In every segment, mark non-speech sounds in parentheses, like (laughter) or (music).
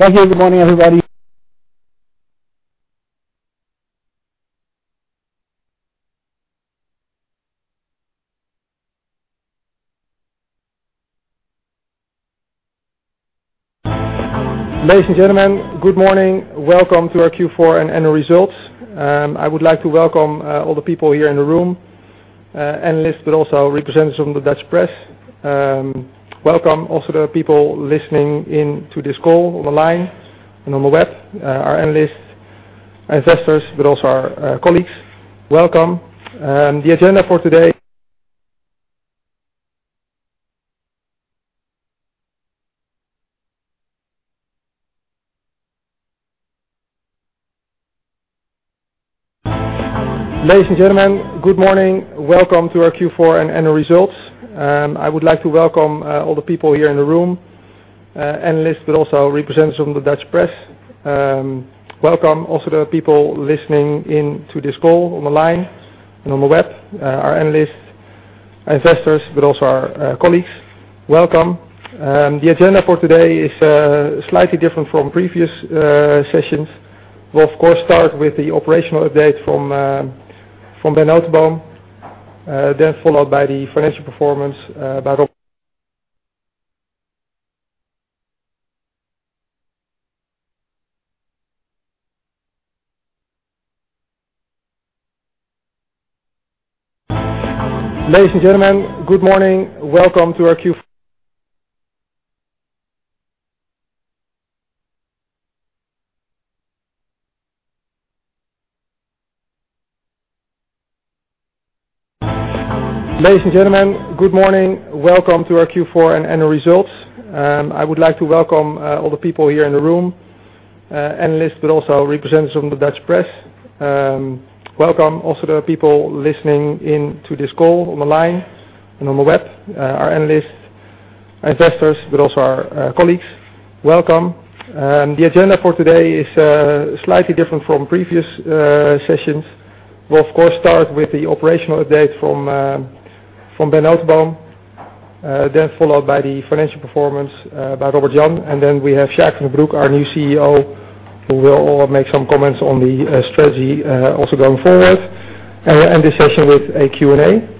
Ladies and gentlemen, good morning. Welcome to our Q4 and annual results. I would like to welcome all the people here in the room, analysts, but also representatives from the Dutch press. Welcome also to the people listening in to this call on the line and on the web, our analysts, investors, but also our colleagues. Welcome. The agenda for today is slightly different from previous sessions. We will, of course, start with the operational update from Ben Noteboom, financial performance by Robert Jan, and then we have Sjaak van den Broek, our new CEO, who will all make some comments on the strategy also going forward. End this session with a Q&A.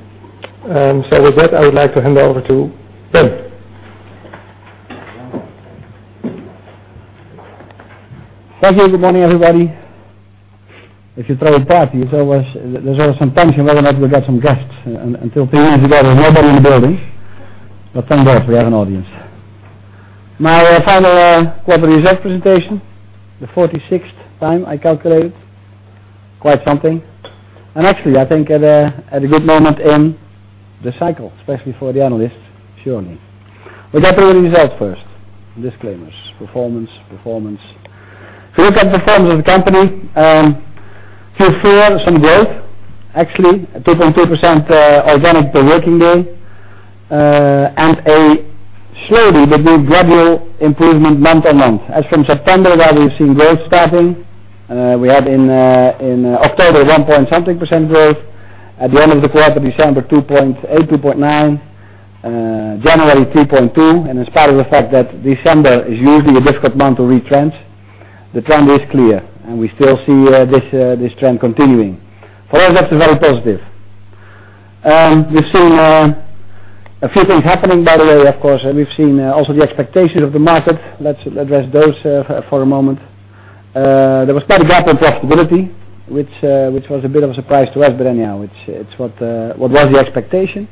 With that, I would like to hand over to Ben. Thank you. Good morning, everybody. If you throw a party, there's always some tension whether or not we got some guests. Until two years ago, there was nobody in the building. Thank God we have an audience. My final quarter result presentation, the 46th time I calculate. Quite something. Actually, I think at a good moment in the cycle, especially for the analysts, surely. Get to the results first. Disclaimers. Performance. If you look at the performance of the company, Q4, some growth, actually, 2.2% organic per working day, and a slowly but gradual improvement month-on-month. As from September, where we've seen growth starting. We had in October, one point something percent growth. At the end of the quarter, December, 2.8%, 2.9%. January, 3.2%. In spite of the fact that December is usually a difficult month to retrench, the trend is clear, and we still see this trend continuing. For us, that is very positive. We've seen a few things happening, by the way, of course. We've seen also the expectations of the market. Let's address those for a moment. There was quite a gap in profitability, which was a bit of a surprise to us, but anyhow, it's what was the expectation.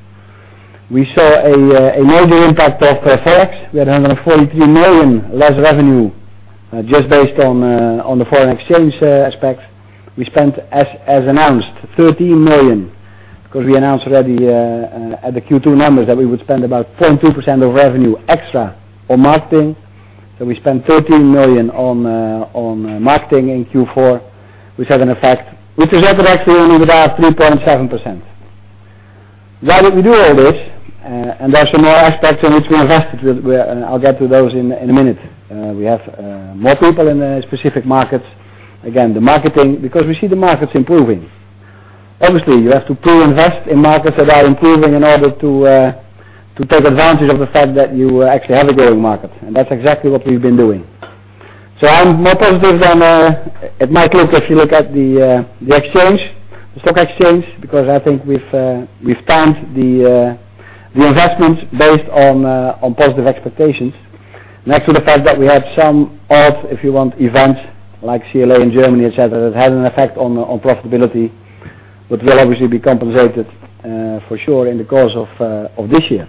We saw a major impact of Forex. We had 142 million less revenue just based on the foreign exchange aspect. We spent, as announced, 13 million, because we announced already at the Q2 numbers that we would spend about 4.2% of revenue extra on marketing. We spent 13 million on marketing in Q4, which had an effect, which resulted actually only with our 3.7%. Why did we do all this? There are some more aspects in which we invested. I'll get to those in a minute. We have more people in the specific markets. Again, the marketing, because we see the markets improving. Obviously, you have to pre-invest in markets that are improving in order to take advantage of the fact that you actually have a growing market. That's exactly what we've been doing. I'm more positive than it might look if you look at the exchange, the stock exchange, because I think we've timed the investments based on positive expectations. Next to the fact that we had some odd, if you want, events like CLA in Germany, et cetera, that had an effect on profitability, but will obviously be compensated for sure in the course of this year.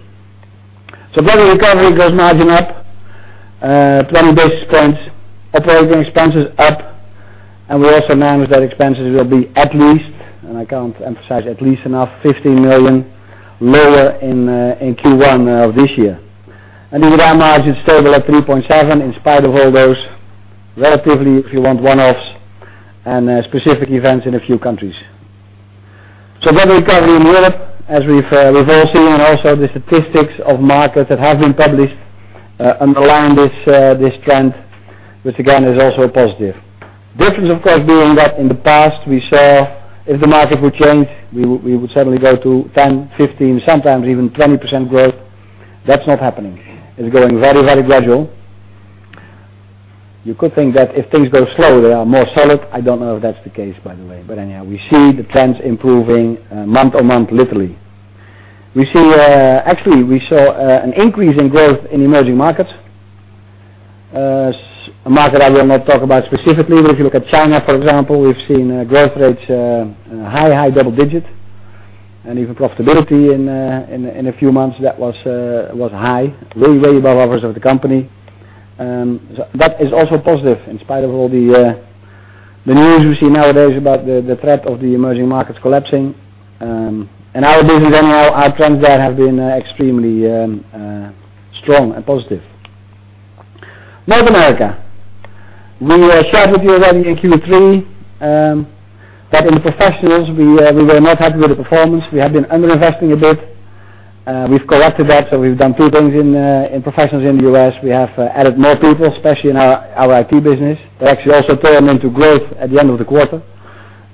Global recovery, gross margin up 20 basis points, operating expenses up, we also manage that expenses will be at least, and I can't emphasize at least enough, 15 million lower in Q1 of this year. EBITDA margin stable at 3.7% in spite of all those relatively, if you want, one-offs and specific events in a few countries. Global recovery in Europe, as we've all seen, also the statistics of markets that have been published underline this trend, which again is also a positive. Difference, of course, being that in the past we saw if the market would change, we would suddenly go to 10%, 15%, sometimes even 20% growth. That's not happening. It's growing very, very gradual. You could think that if things go slow, they are more solid. I don't know if that's the case, by the way. Anyhow, we see the trends improving month-on-month literally. Actually, we saw an increase in growth in emerging markets. A market I will not talk about specifically, but if you look at China, for example, we've seen growth rates high double-digit, and even profitability in a few months that was high, way above others of the company. That is also positive in spite of all the news you see nowadays about the threat of the emerging markets collapsing. In our business anyhow, our trends there have been extremely strong and positive. North America. We shared with you already in Q3, that in professionals, we were not happy with the performance. We had been under-investing a bit. We've corrected that, so we've done two things in professionals in the U.S. We have added more people, especially in our IT business. They actually also turned into growth at the end of the quarter.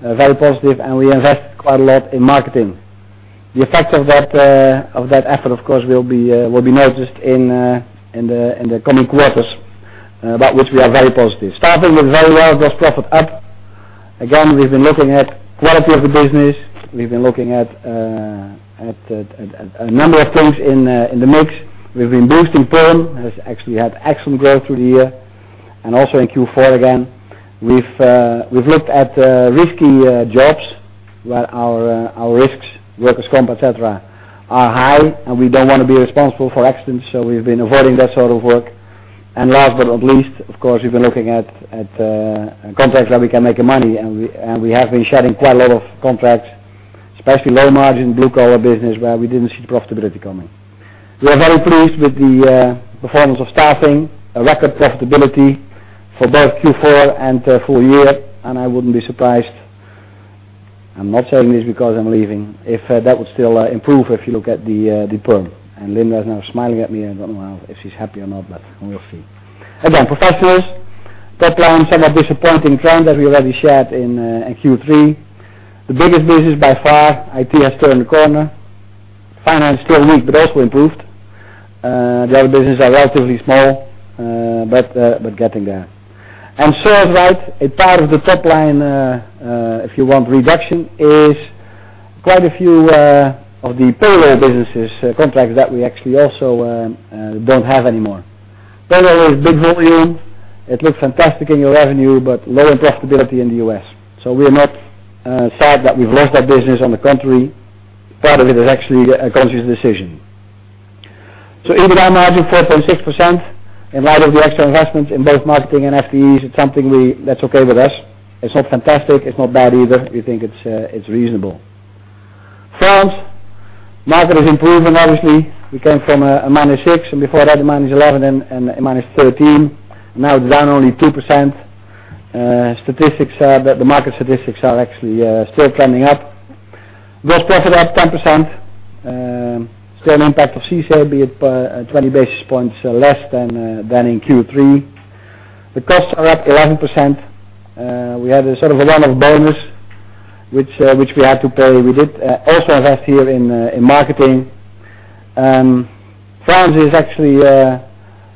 Very positive, we invest quite a lot in marketing. The effect of that effort, of course, will be noticed in the coming quarters, about which we are very positive. Starting with very well, gross profit up. Again, we've been looking at quality of the business. We've been looking at a number of things in the mix. We've been boosting perm. It has actually had excellent growth through the year, and also in Q4 again. We've looked at risky jobs where our risks, workers' comp, et cetera, are high, and we don't want to be responsible for accidents, so we've been avoiding that sort of work. Last but not least, of course, we've been looking at contracts where we can make money, and we have been shedding quite a lot of contracts, especially low margin blue collar business where we didn't see profitability coming. We are very pleased with the performance of staffing, a record profitability for both Q4 and full year, and I wouldn't be surprised. I'm not saying this because I'm leaving, if that would still improve if you look at the pool. Linda is now smiling at me, and I don't know if she's happy or not, but we'll see. Again, Professionals, top line, somewhat disappointing trend as we already shared in Q3. The biggest business by far, IT, has turned the corner. Finance, still weak, but also improved. The other businesses are relatively small, but getting there. As a part of the top line, if you want reduction, is quite a few of the payroll businesses contracts that we actually also don't have anymore. Payroll is big volume. It looks fantastic in your revenue, but lower profitability in the U.S. We are not sad that we've lost that business. On the contrary, part of it is actually a conscious decision. EBITDA margin 4.6% in light of the extra investment in both marketing and FTEs, it's something that's okay with us. It's not fantastic. It's not bad either. We think it's reasonable. France, market is improving obviously. We came from a -6 and before that a -11 and a -13. Now it's down only 2%. The market statistics are actually still climbing up. Gross profit up 10%, still an impact of CICE, be it 20 basis points less than in Q3. The costs are up 11%. We had a sort of a one-off bonus, which we had to pay. We did also invest here in marketing. France is actually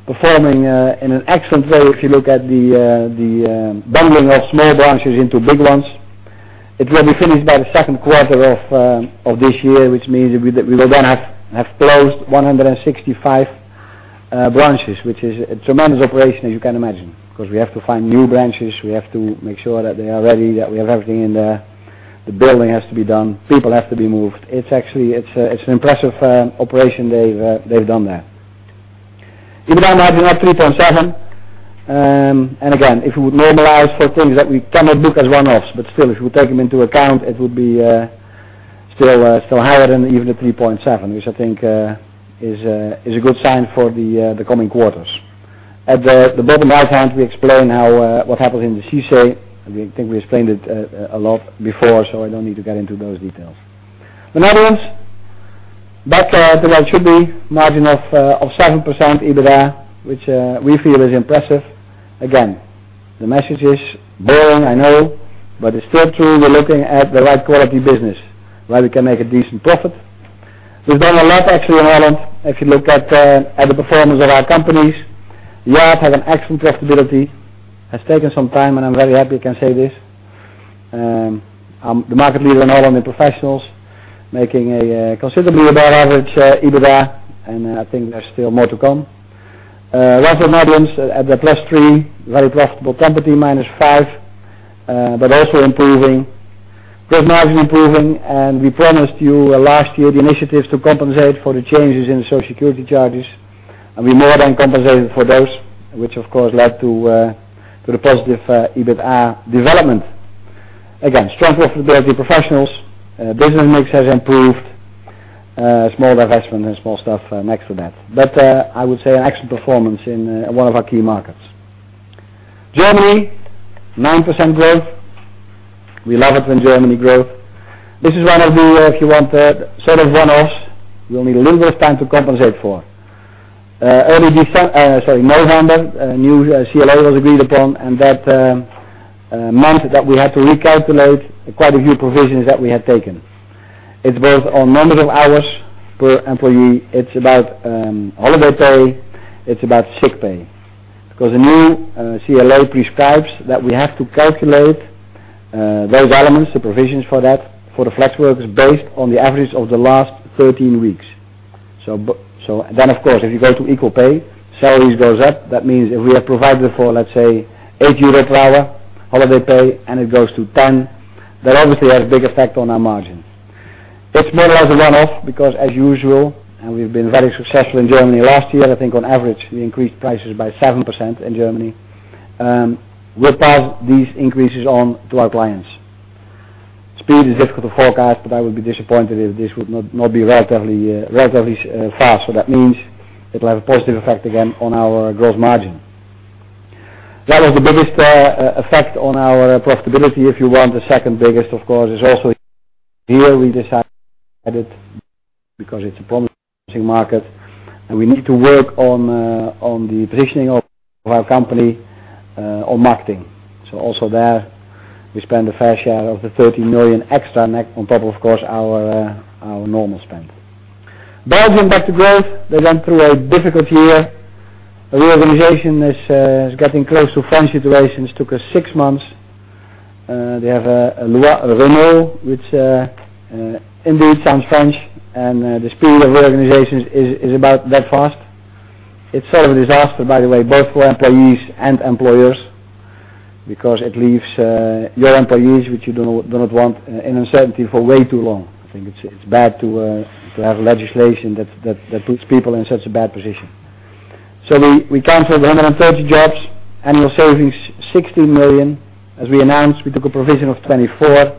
performing in an excellent way if you look at the bundling of small branches into big ones. It will be finished by the second quarter of this year, which means that we will then have closed 165 branches, which is a tremendous operation, as you can imagine, because we have to find new branches. We have to make sure that they are ready, that we have everything in there. The building has to be done. People have to be moved. It's an impressive operation they've done there. EBITDA margin at 3.7%. Again, if you would normalize for things that we cannot book as one-offs, but still, if you take them into account, it would be still higher than even the 3.7%, which I think is a good sign for the coming quarters. At the bottom right-hand, we explain what happened in the CICE. I think we explained it a lot before, so I don't need to get into those details. The Netherlands, back to where it should be, margin of 7% EBITDA, which we feel is impressive. Again, the message is boring, I know, but it's still true. We're looking at the right quality business where we can make a decent profit. We've done a lot, actually, in Holland. If you look at the performance of our companies. Yacht had an excellent profitability. Has taken some time, and I'm very happy I can say this. I am the market leader in Holland in professionals, making a considerably above average EBITDA, and I think there is still more to come. Randstad Netherlands at the plus three, very profitable. Tempo-Team minus five, but also improving. Gross margin improving. We promised you last year the initiatives to compensate for the changes in Social Security charges, and we more than compensated for those, which, of course, led to the positive EBITA development. Again, strong profitability professionals. Business mix has improved. Small divestment and small stuff next to that. I would say an excellent performance in one of our key markets. Germany, 9% growth. We love it when Germany grows. This is one of the, if you want, sort of one-offs. We will need a little bit of time to compensate for. Early November, a new CLA was agreed upon, and that month that we had to recalculate quite a few provisions that we had taken. It is both on numbers of hours per employee. It is about holiday pay. It is about sick pay. The new CLA prescribes that we have to calculate those elements, the provisions for that, for the flex workers based on the average of the last 13 weeks. Of course, if you go to equal pay, salaries goes up. That means if we have provided for, let us say, 8 euro per hour holiday pay and it goes to 10, that obviously has a big effect on our margin. It is more or less a one-off because as usual, and we have been very successful in Germany last year, I think on average, we increased prices by 7% in Germany. We will pass these increases on to our clients. Speed is difficult to forecast, but I would be disappointed if this would not be relatively fast. That means it will have a positive effect again on our gross margin. That was the biggest effect on our profitability, if you want. The second biggest, of course, is also here we decided because it is a promising market, and we need to work on the positioning of our company on marketing. Also there we spend a fair share of the 13 million extra on top, of course, our normal spend. Belgium back to growth. They went through a difficult year. Reorganization is getting close to French situations. Took us six months. They have a renewal, which indeed sounds French, and the speed of reorganizations is about that fast. It is sort of a disaster, by the way, both for employees and employers. It leaves your employees, which you do not want, in uncertainty for way too long. I think it is bad to have legislation that puts people in such a bad position. We canceled 130 jobs. Annual savings, 16 million. As we announced, we took a provision of 24 million,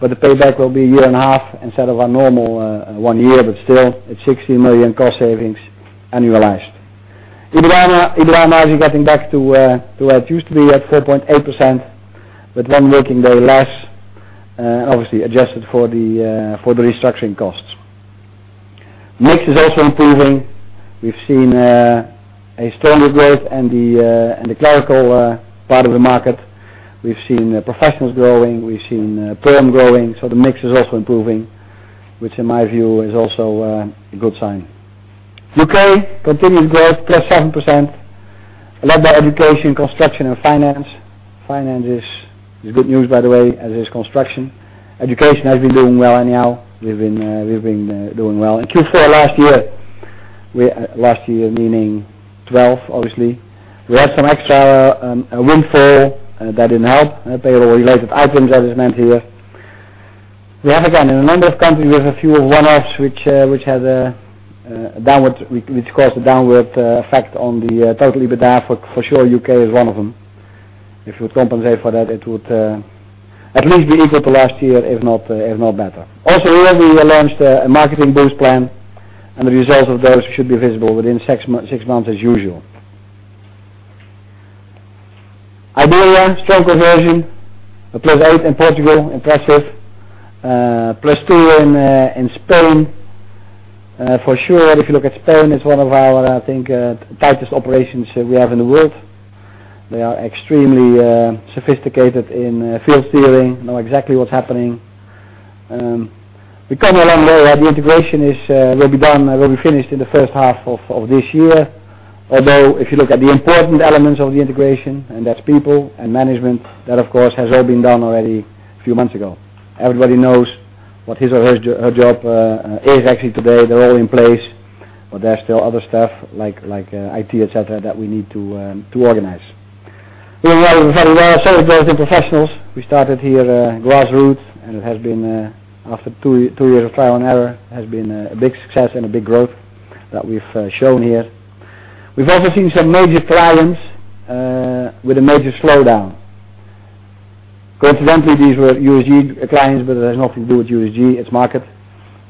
but the payback will be a year and a half instead of our normal one year. Still, it is 16 million cost savings annualized. EBITDA now is getting back to where it used to be at 4.8%, with one working day less, and obviously adjusted for the restructuring costs. Mix is also improving. We have seen a stronger growth in the clerical part of the market. We have seen professionals growing. We have seen perm growing. The mix is also improving, which in my view is also a good sign. U.K., continued growth, +7%. A lot by education, construction, and finance. Finance is good news, by the way, as is construction. Education has been doing well anyhow. We've been doing well. In Q4 last year, last year meaning 2012, obviously, we had some extra windfall that didn't help. Payroll-related items that is meant here. We have, again, in a number of countries, we have a few one-offs which caused a downward effect on the total EBITDA. For sure, U.K. is one of them. If you compensate for that, it would at least be equal to last year, if not better. Also here we launched a marketing boost plan, and the results of those should be visible within six months as usual. Iberia, strong conversion, +8% in Portugal, impressive. +2% in Spain. For sure, if you look at Spain, it's one of our, I think, tightest operations we have in the world. They are extremely sophisticated in field steering, know exactly what's happening. We've come a long way. The integration will be finished in the first half of this year. Although, if you look at the important elements of the integration, and that's people and management, that, of course, has all been done already a few months ago. Everybody knows what his or her job is actually today. They're all in place. There's still other stuff like IT, et cetera, that we need to organize. Here we are performing well. Same goes in professionals. We started here grassroots, and it has been, after two years of trial and error, has been a big success and a big growth that we've shown here. We've also seen some major clients with a major slowdown. Coincidentally, these were USG clients, but it has nothing to do with USG, it's market.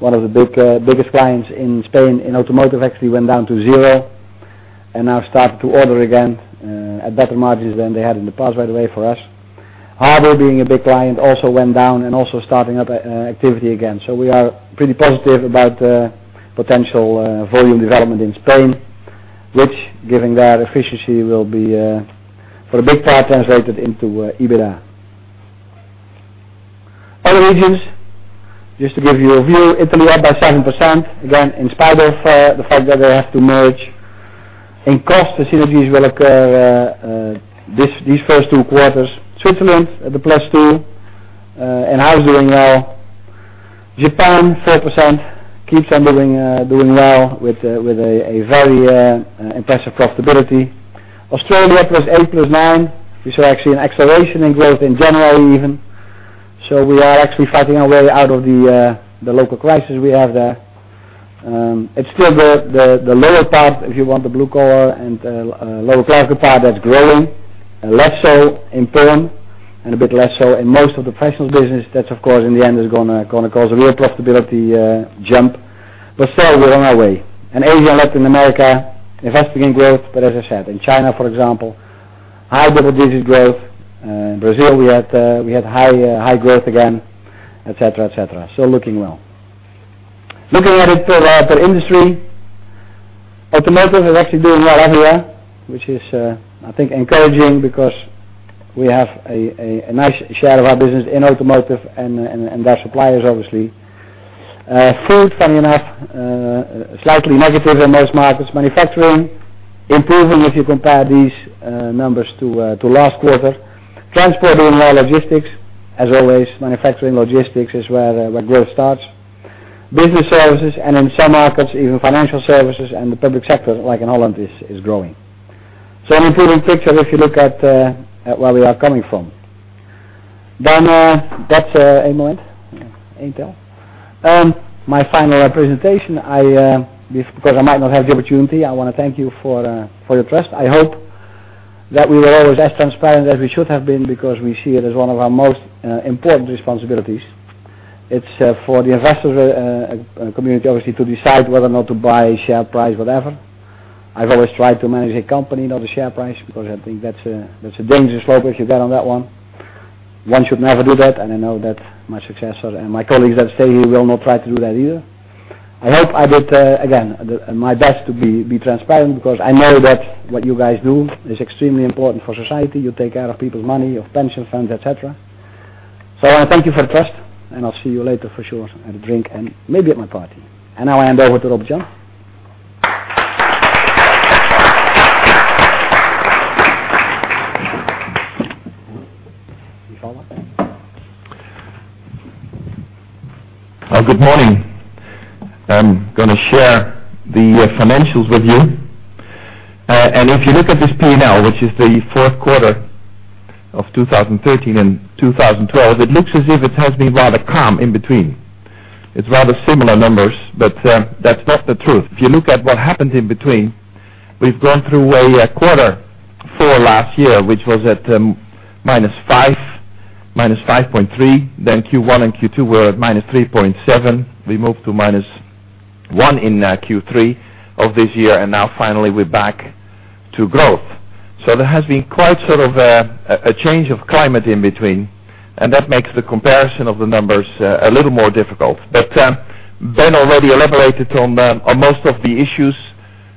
One of the biggest clients in Spain in automotive actually went down to zero, and now start to order again at better margins than they had in the past, by the way, for us. Harbor, being a big client, also went down and also starting up activity again. We are pretty positive about potential volume development in Spain, which, given their efficiency, will be for a big part translated into EBITDA. Other regions, just to give you a view, Italy up by 7%. Again, in spite of the fact that they have to merge, and cost synergies will occur these first two quarters. Switzerland at the +2%, and how it's doing well. Japan, 4%, keeps on doing well with a very impressive profitability. Australia, +8%, +9%. We saw actually an acceleration in growth in January even. We are actually fighting our way out of the local crisis we have there. It's still the lower part, if you want, the blue collar and lower clerical part that's growing, less so in perm and a bit less so in most of the professionals business. That, of course, in the end is going to cause a real profitability jump. Still, we're on our way. Asia and Latin America, investing in growth. As I said, in China, for example, high double-digit growth. In Brazil, we had high growth again, et cetera. Looking well. Looking at it per industry, automotive is actually doing well everywhere, which is I think encouraging because we have a nice share of our business in automotive and their suppliers, obviously. Food, funny enough, slightly negative in most markets. Manufacturing, improving if you compare these numbers to last quarter. Transport doing well, logistics, as always. Manufacturing logistics is where growth starts. Business services, and in some markets, even financial services and the public sector, like in the Netherlands, is growing. An improving picture if you look at where we are coming from. That's. (inaudible) My final presentation, because I might not have the opportunity, I want to thank you for your trust. I hope that we were always as transparent as we should have been because we see it as one of our most important responsibilities. It's for the investor community, obviously, to decide whether or not to buy a share price, whatever. I've always tried to manage a company, not a share price, because I think that's a dangerous slope if you get on that one. One should never do that. I know that my successor and my colleagues that stay here will not try to do that either. I hope I did, again, my best to be transparent because I know that what you guys do is extremely important for society. You take care of people's money, of pension funds, et cetera. I want to thank you for the trust. I'll see you later for sure at a drink and maybe at my party. Now I hand over to Rob Jan. You follow? Good morning. I'm going to share the financials with you. If you look at this P&L, which is the fourth quarter of 2013 and 2012, it looks as if it has been rather calm in between. It's rather similar numbers. That's not the truth. If you look at what happened in between, we've gone through a quarter four last year, which was at -5, -5.3. Q1 and Q2 were at -3.7. We moved to -1 in Q3 of this year. Now finally we're back to growth. There has been quite a change of climate in between. That makes the comparison of the numbers a little more difficult. Ben already elaborated on most of the issues.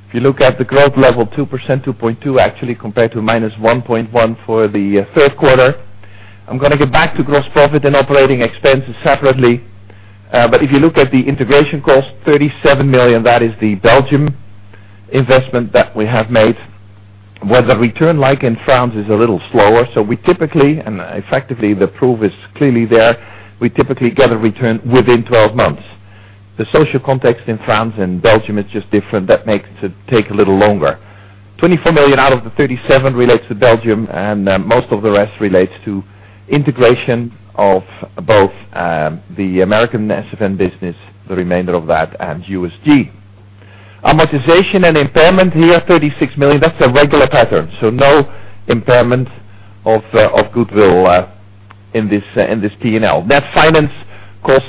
If you look at the growth level, 2%, 2.2 actually compared to -1.1 for the third quarter. I'm going to get back to gross profit and operating expenses separately. If you look at the integration cost, 37 million, that is the Belgium investment that we have made, where the return, like in France, is a little slower. We typically, effectively, the proof is clearly there, we typically get a return within 12 months. The social context in France and Belgium is just different. That makes it take a little longer. 24 million out of the 37 relates to Belgium. Most of the rest relates to integration of both the American SFN Group, the remainder of that, and USG People. Amortization and impairment here, 36 million. That's a regular pattern. No impairment of goodwill in this P&L. Net finance cost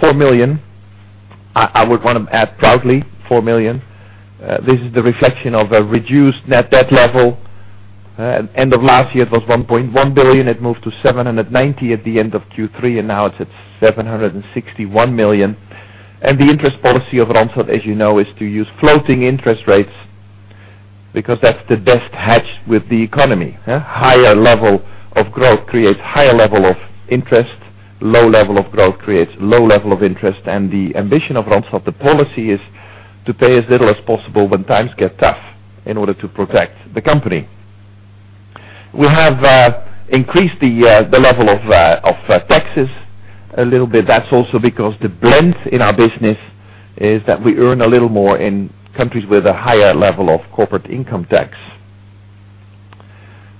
4 million. I would want to add proudly 4 million. This is the reflection of a reduced net debt level. End of last year, it was 1.1 billion. It moved to 790 million at the end of Q3, and now it's at 761 million. The interest policy of Randstad, as you know, is to use floating interest rates because that's the best hedge with the economy. Higher level of growth creates higher level of interest. Low level of growth creates low level of interest. The ambition of Randstad, the policy, is to pay as little as possible when times get tough in order to protect the company. We have increased the level of taxes a little bit. That's also because the blend in our business is that we earn a little more in countries with a higher level of corporate income tax.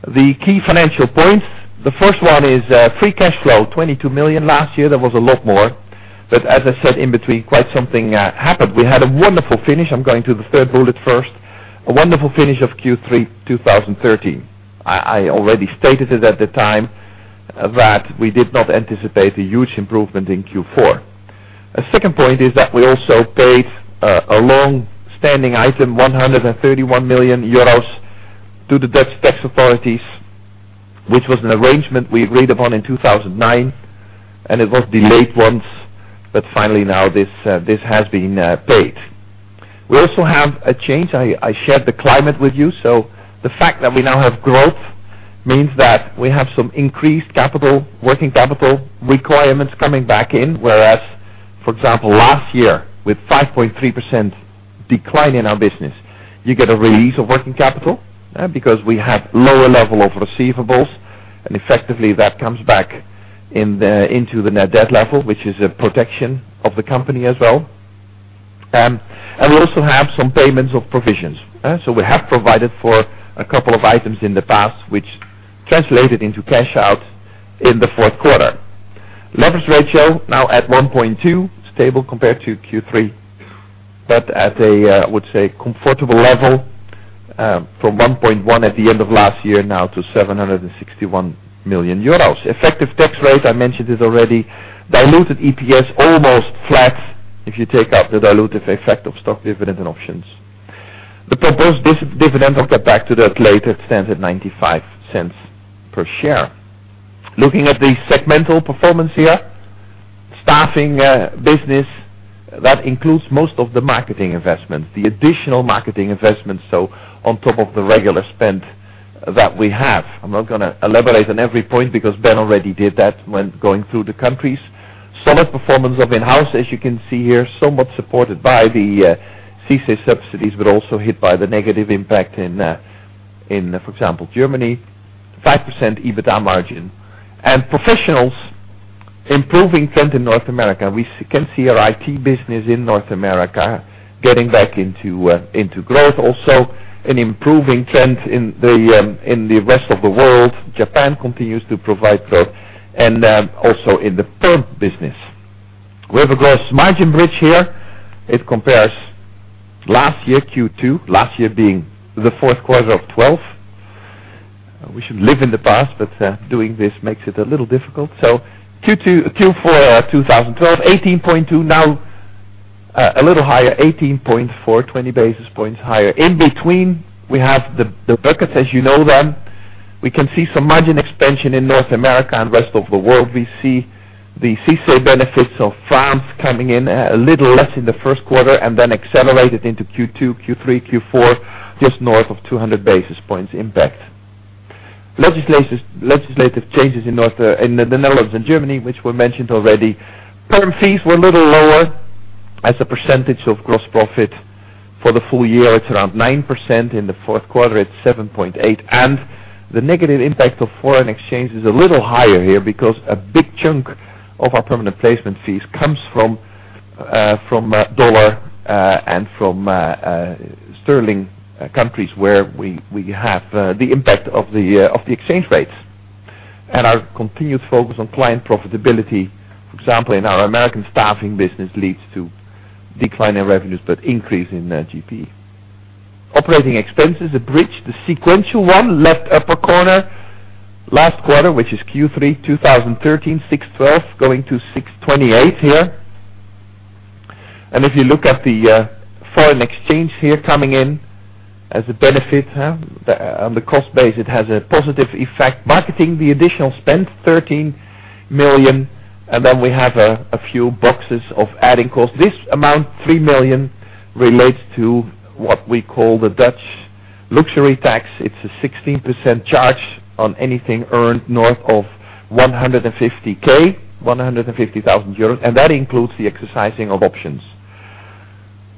The key financial points, the first one is free cash flow, 22 million. Last year, there was a lot more. As I said, in between, quite something happened. We had a wonderful finish. I'm going to the third bullet first. A wonderful finish of Q3 2013. I already stated it at the time that we did not anticipate a huge improvement in Q4. A second point is that we also paid a long-standing item, 131 million euros to the Dutch tax authorities, which was an arrangement we agreed upon in 2009, and it was delayed once, but finally now this has been paid. We also have a change. I shared the climate with you. The fact that we now have growth means that we have some increased working capital requirements coming back in, whereas, for example, last year, with 5.3% decline in our business, you get a release of working capital because we had lower level of receivables, and effectively, that comes back into the net debt level, which is a protection of the company as well. We also have some payments of provisions. We have provided for a couple of items in the past which translated into cash out in the fourth quarter. Leverage ratio now at 1.2, stable compared to Q3, but at a, I would say, comfortable level from 1.1 billion at the end of last year now to 761 million euros. Effective tax rate, I mentioned this already. Diluted EPS, almost flat if you take out the dilutive effect of stock dividend and options. The proposed dividend, I'll get back to that later. It stands at EUR 0.95 per share. Looking at the segmental performance here. Staffing business, that includes most of the marketing investments, the additional marketing investments, so on top of the regular spend that we have. I'm not going to elaborate on every point because Ben already did that when going through the countries. Solid performance of in-house, as you can see here, somewhat supported by the CICE subsidies, but also hit by the negative impact in, for example, Germany. 5% EBITDA margin. Professionals, improving trend in North America. We can see our IT business in North America getting back into growth, also an improving trend in the rest of the world. Japan continues to provide growth, and also in the perm business. We have a gross margin bridge here. It compares last year, Q2, last year being the fourth quarter of 2012. We should live in the past, but doing this makes it a little difficult. Q4 2012, 18.2, now a little higher, 18.4, 20 basis points higher. In between, we have the buckets as you know them. We can see some margin expansion in North America and rest of the world. We see the CICE benefits of France coming in a little less in the first quarter and then accelerated into Q2, Q3, Q4, just north of 200 basis points impact. Legislative changes in the Netherlands and Germany, which were mentioned already. Perm fees were a little lower. As a percentage of gross profit for the full year, it's around 9%. In the fourth quarter, it's 7.8%. The negative impact of foreign exchange is a little higher here because a big chunk of our permanent placement fees comes from USD and from GBP countries where we have the impact of the exchange rates. Our continued focus on client profitability, for example, in our American staffing business, leads to decline in revenues but increase in GP. Operating expenses, a bridge, the sequential one, left upper corner. Last quarter, which is Q3 2013, 612 going to 628 here. If you look at the foreign exchange here coming in as a benefit. On the cost base, it has a positive effect. Marketing, the additional spend, 13 million, then we have a few boxes of adding costs. This amount, 3 million, relates to what we call the Dutch luxury tax. It's a 16% charge on anything earned north of 150,000 euros, and that includes the exercising of options.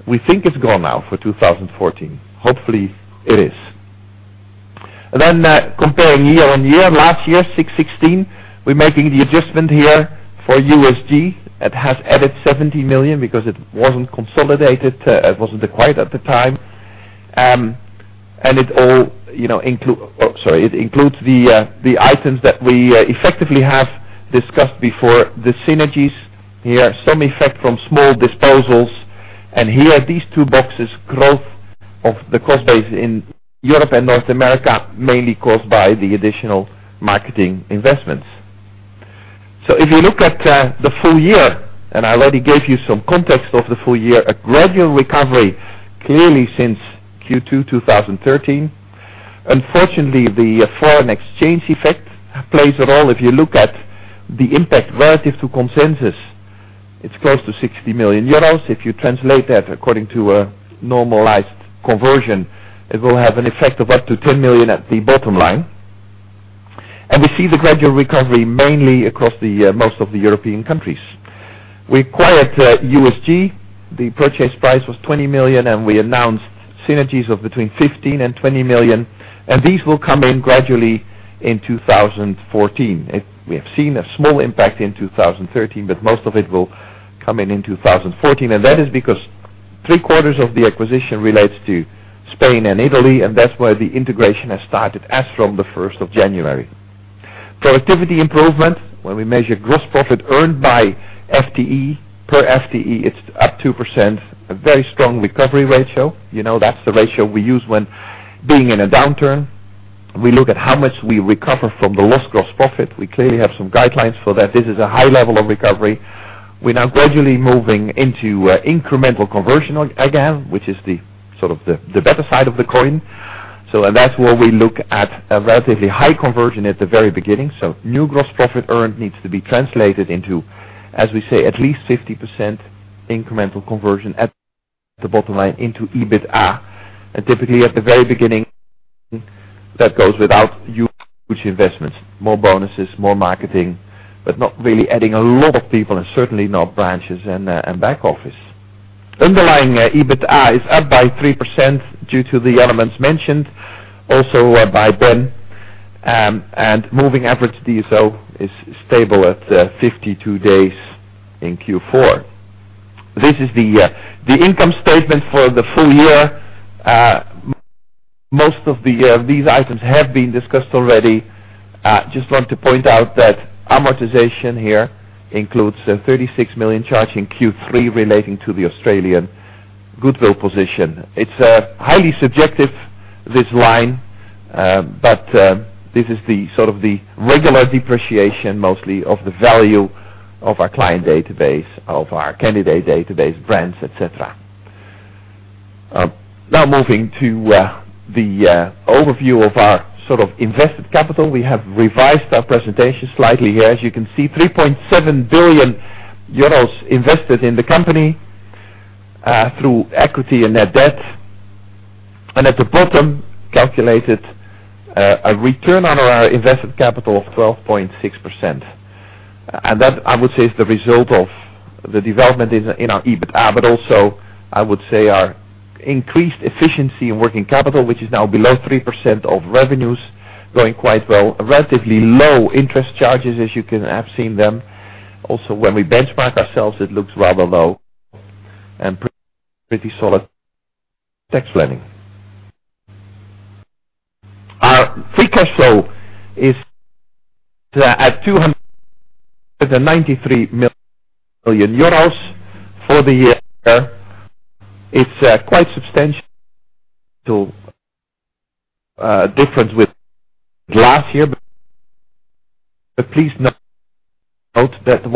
We think it's gone now for 2014. Hopefully it is. Comparing year-over-year, last year, 616, we're making the adjustment here for USG. It has added 70 million because it wasn't consolidated. It wasn't acquired at the time. It includes the items that we effectively have discussed before, the synergies here, some effect from small disposals. Here, these two boxes, growth of the cost base in Europe and North America, mainly caused by the additional marketing investments. If you look at the full year, and I already gave you some context of the full year, a gradual recovery clearly since Q2 2013. Unfortunately, the foreign exchange effect plays a role. If you look at the impact relative to consensus, it's close to 60 million euros. If you translate that according to a normalized conversion, it will have an effect of up to 10 million at the bottom line. We see the gradual recovery mainly across most of the European countries. We acquired USG. The purchase price was 20 million, and we announced synergies of between 15 million and 20 million, and these will come in gradually in 2014. We have seen a small impact in 2013, but most of it will come in in 2014, and that is because three-quarters of the acquisition relates to Spain and Italy, and that's where the integration has started as from the 1st of January. Productivity improvement, when we measure gross profit earned by FTE, per FTE, it's up 2%, a very strong recovery ratio. That's the ratio we use when being in a downturn. We look at how much we recover from the lost gross profit. We clearly have some guidelines for that. This is a high level of recovery. We're now gradually moving into incremental conversion again, which is the better side of the coin. That's where we look at a relatively high conversion at the very beginning. New gross profit earned needs to be translated into, as we say, at least 50% incremental conversion at the bottom line into EBITDA. Typically, at the very beginning, that goes without huge investments, more bonuses, more marketing, but not really adding a lot of people and certainly not branches and back office. Underlying EBITDA is up by 3% due to the elements mentioned, also by Ben. Moving average DSO is stable at 52 days in Q4. This is the income statement for the full year. Most of these items have been discussed already. Just want to point out that amortization here includes a 36 million charge in Q3 relating to the Australian goodwill position. It's highly subjective, this line, but this is the regular depreciation, mostly of the value of our client database, of our candidate database, brands, et cetera. Now moving to the overview of our invested capital. We have revised our presentation slightly here. As you can see, 3.7 billion euros invested in the company through equity and net debt. At the bottom, calculated a return on our invested capital of 12.6%. That, I would say, is the result of the development in our EBITDA, but also, I would say, our increased efficiency in working capital, which is now below 3% of revenues, doing quite well. Relatively low interest charges, as you can have seen them. Also, when we benchmark ourselves, it looks rather low and pretty solid tax planning. Our free cash flow is at 293 million euros for the year. It's quite substantial difference with last year. Please note that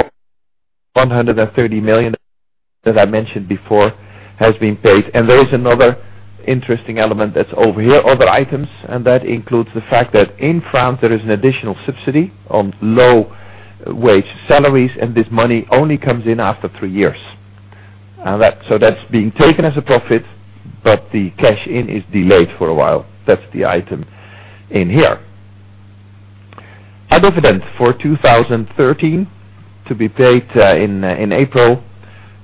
130 million that I mentioned before has been paid. There is another interesting element that's over here, other items, that includes the fact that in France, there is an additional subsidy on low wage salaries. This money only comes in after three years. That's being taken as a profit, but the cash in is delayed for a while. That's the item in here. Our dividend for 2013, to be paid in April.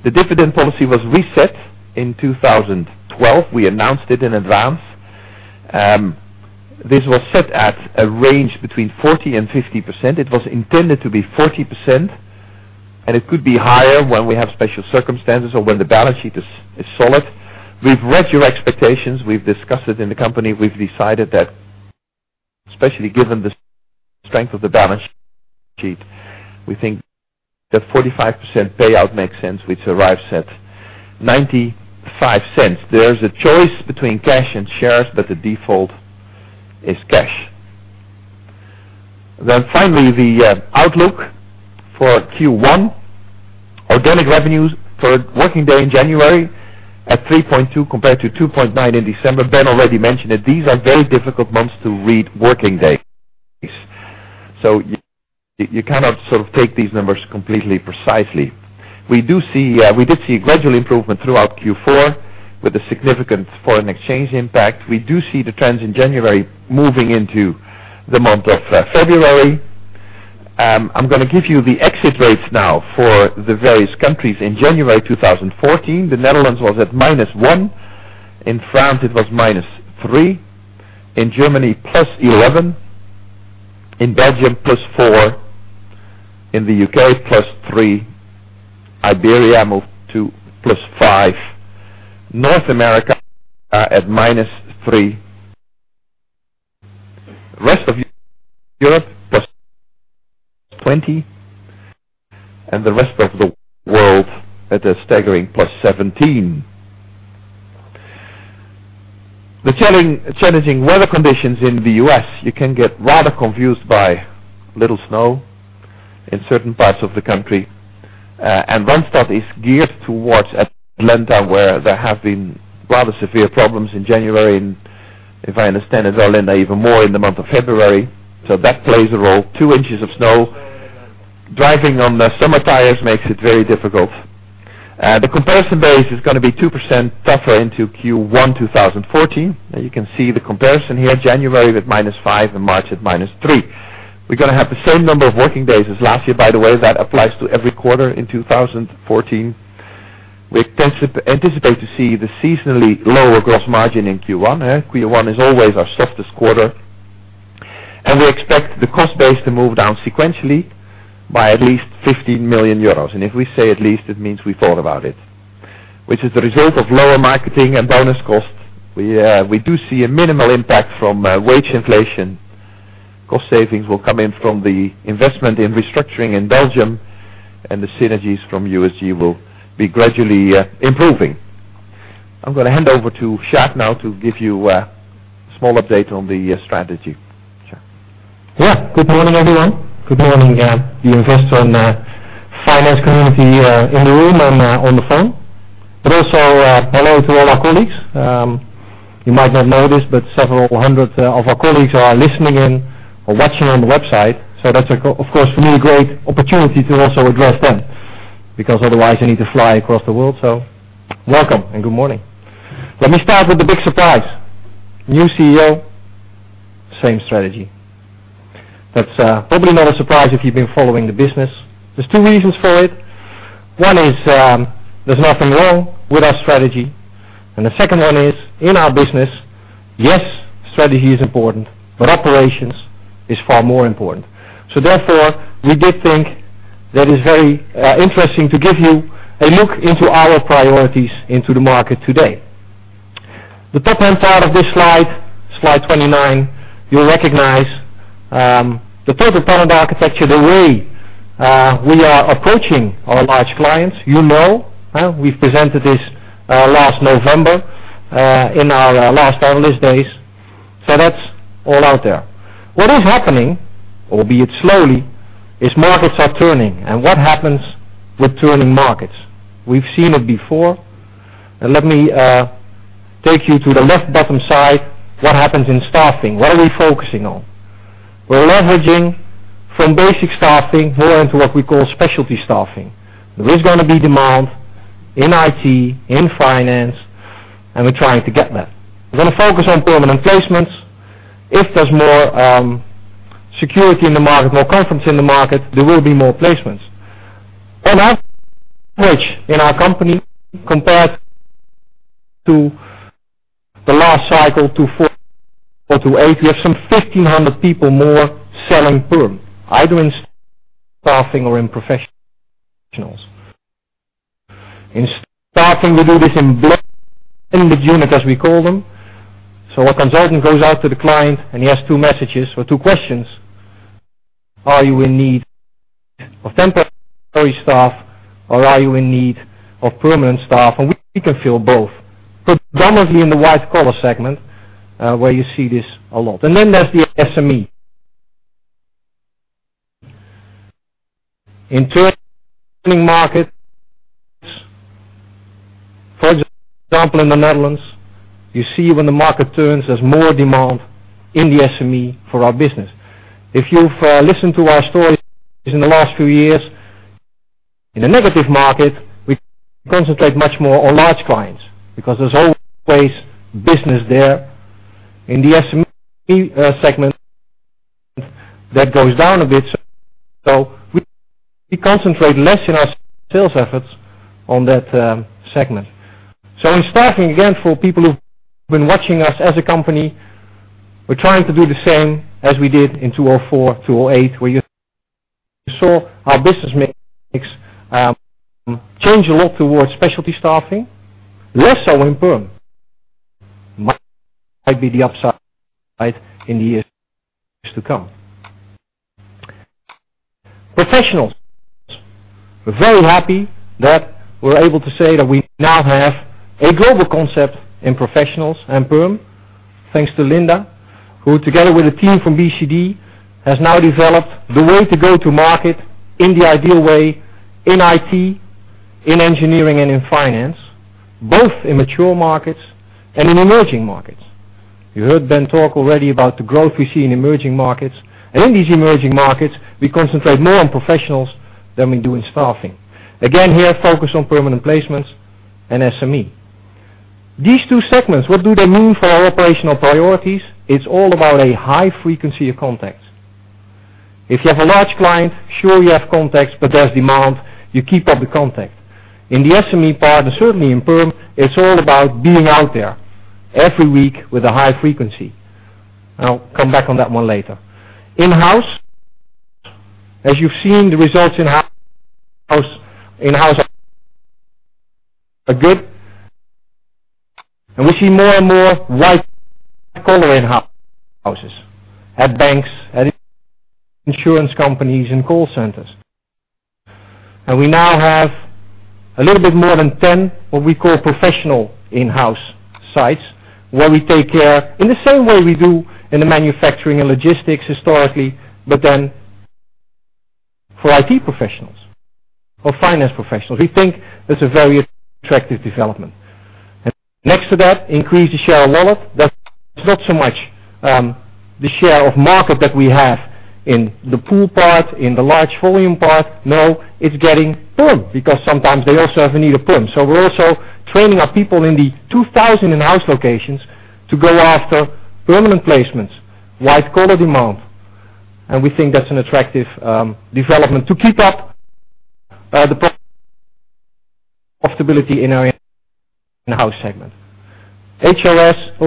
The dividend policy was reset in 2012. We announced it in advance. This was set at a range between 40%-50%. It was intended to be 40%, and it could be higher when we have special circumstances or when the balance sheet is solid. We've read your expectations. We've discussed it in the company. We've decided that, especially given the strength of the balance sheet, we think that 45% payout makes sense, which arrives at 0.95. There is a choice between cash and shares, but the default is cash. Finally, the outlook for Q1. Organic revenues for working day in January at 3.2%, compared to 2.9% in December. Ben already mentioned it. These are very difficult months to read working days. You cannot take these numbers completely precisely. We did see gradual improvement throughout Q4 with a significant foreign exchange impact. We do see the trends in January moving into the month of February. I'm going to give you the exit rates now for the various countries. In January 2014, the Netherlands was at -1%. In France it was -3%. In Germany +11%. In Belgium +4%. In the U.K. +3%. Iberia moved to +5%. North America at -3%. Rest of Europe, +20%. And the rest of the world at a staggering +17%. The challenging weather conditions in the U.S., you can get rather confused by little snow in certain parts of the country. Randstad is geared towards Atlanta, where there have been rather severe problems in January, and if I understand it well, and even more in the month of February. That plays a role. Two inches of snow, driving on the summer tires makes it very difficult. The comparison base is going to be 2% tougher into Q1 2014. You can see the comparison here, January with -5% and March at -3%. We're going to have the same number of working days as last year, by the way. That applies to every quarter in 2014. We anticipate to see the seasonally lower gross margin in Q1. Q1 is always our softest quarter. And we expect the cost base to move down sequentially by at least 15 million euros. And if we say at least, it means we thought about it, which is the result of lower marketing and bonus costs. We do see a minimal impact from wage inflation. Cost savings will come in from the investment in restructuring in Belgium, and the synergies from USG will be gradually improving. I'm going to hand over to Sjaak now to give you a small update on the strategy. Sjaak. Good morning, everyone. Good morning the investors and finance community in the room and on the phone. Also, hello to all our colleagues. You might not know this, but several hundred of our colleagues are listening in or watching on the website. That's, of course, for me, a great opportunity to also address them, because otherwise you need to fly across the world. Welcome, and good morning. Let me start with the big surprise. New CEO, same strategy. That's probably not a surprise if you've been following the business. There's two reasons for it. One is, there's nothing wrong with our strategy, and the second one is, in our business, yes, strategy is important, but operations is far more important. Therefore, we did think that it's very interesting to give you a look into our priorities into the market today. The top-hand side of this slide 29, you'll recognize the total talent architecture, the way we are approaching our large clients. You know, we've presented this last November in our last analyst days. That's all out there. What is happening, albeit slowly, is markets are turning. What happens with turning markets? We've seen it before. Let me take you to the left bottom side. What happens in staffing? What are we focusing on? We're leveraging from basic staffing more into what we call specialty staffing. There is going to be demand in IT, in finance, and we're trying to get that. We're going to focus on permanent placements. If there's more security in the market, more confidence in the market, there will be more placements. Our approach in our company compared to the last cycle to four or to eight, we have some 1,500 people more selling perm, either in staffing or in professionals. In staffing, we do this in blended unit, as we call them. A consultant goes out to the client and he has two messages or two questions. Are you in need of temporary staff or are you in need of permanent staff? We can fill both. Predominantly in the white collar segment, where you see this a lot. Then there's the SME. In turning market, for example, in the Netherlands, you see when the market turns, there's more demand in the SME for our business. If you've listened to our stories in the last few years. In a negative market, we concentrate much more on large clients because there's always business there. In the SME segment, that goes down a bit, we concentrate less in our sales efforts on that segment. In staffing, again, for people who've been watching us as a company, we're trying to do the same as we did in 2004, 2008, where you saw our business mix change a lot towards specialty staffing, less so in perm. Might be the upside in the years to come. Professionals. We're very happy that we're able to say that we now have a global concept in professionals and perm, thanks to Linda, who together with a team from [BCD], has now developed the way to go to market in the ideal way in IT, in engineering and in finance, both in mature markets and in emerging markets. You heard Ben talk already about the growth we see in emerging markets. In these emerging markets, we concentrate more on professionals than we do in staffing. Again, here, focus on permanent placements and SME. These two segments, what do they mean for our operational priorities? It's all about a high frequency of contacts. If you have a large client, sure you have contacts, but there's demand, you keep up the contact. In the SME part, and certainly in perm, it's all about being out there every week with a high frequency. I'll come back on that one later. In-house, as you've seen the results in In-house are good. We see more and more white collar In-houses, at banks, at insurance companies, and call centers. We now have a little bit more than 10, what we call professional In-house sites, where we take care in the same way we do in the manufacturing and logistics historically, but then for IT professionals or finance professionals. We think that's a very attractive development. Next to that, increase the share of LOLIP. That's not so much the share of market that we have in the pool part, in the large volume part. No, it's getting perm because sometimes they also have a need of perm. We're also training our people in the 2,000 In-house locations to go after permanent placements, white-collar demand. We think that's an attractive development to keep up the profitability in our In-house segment. HRS,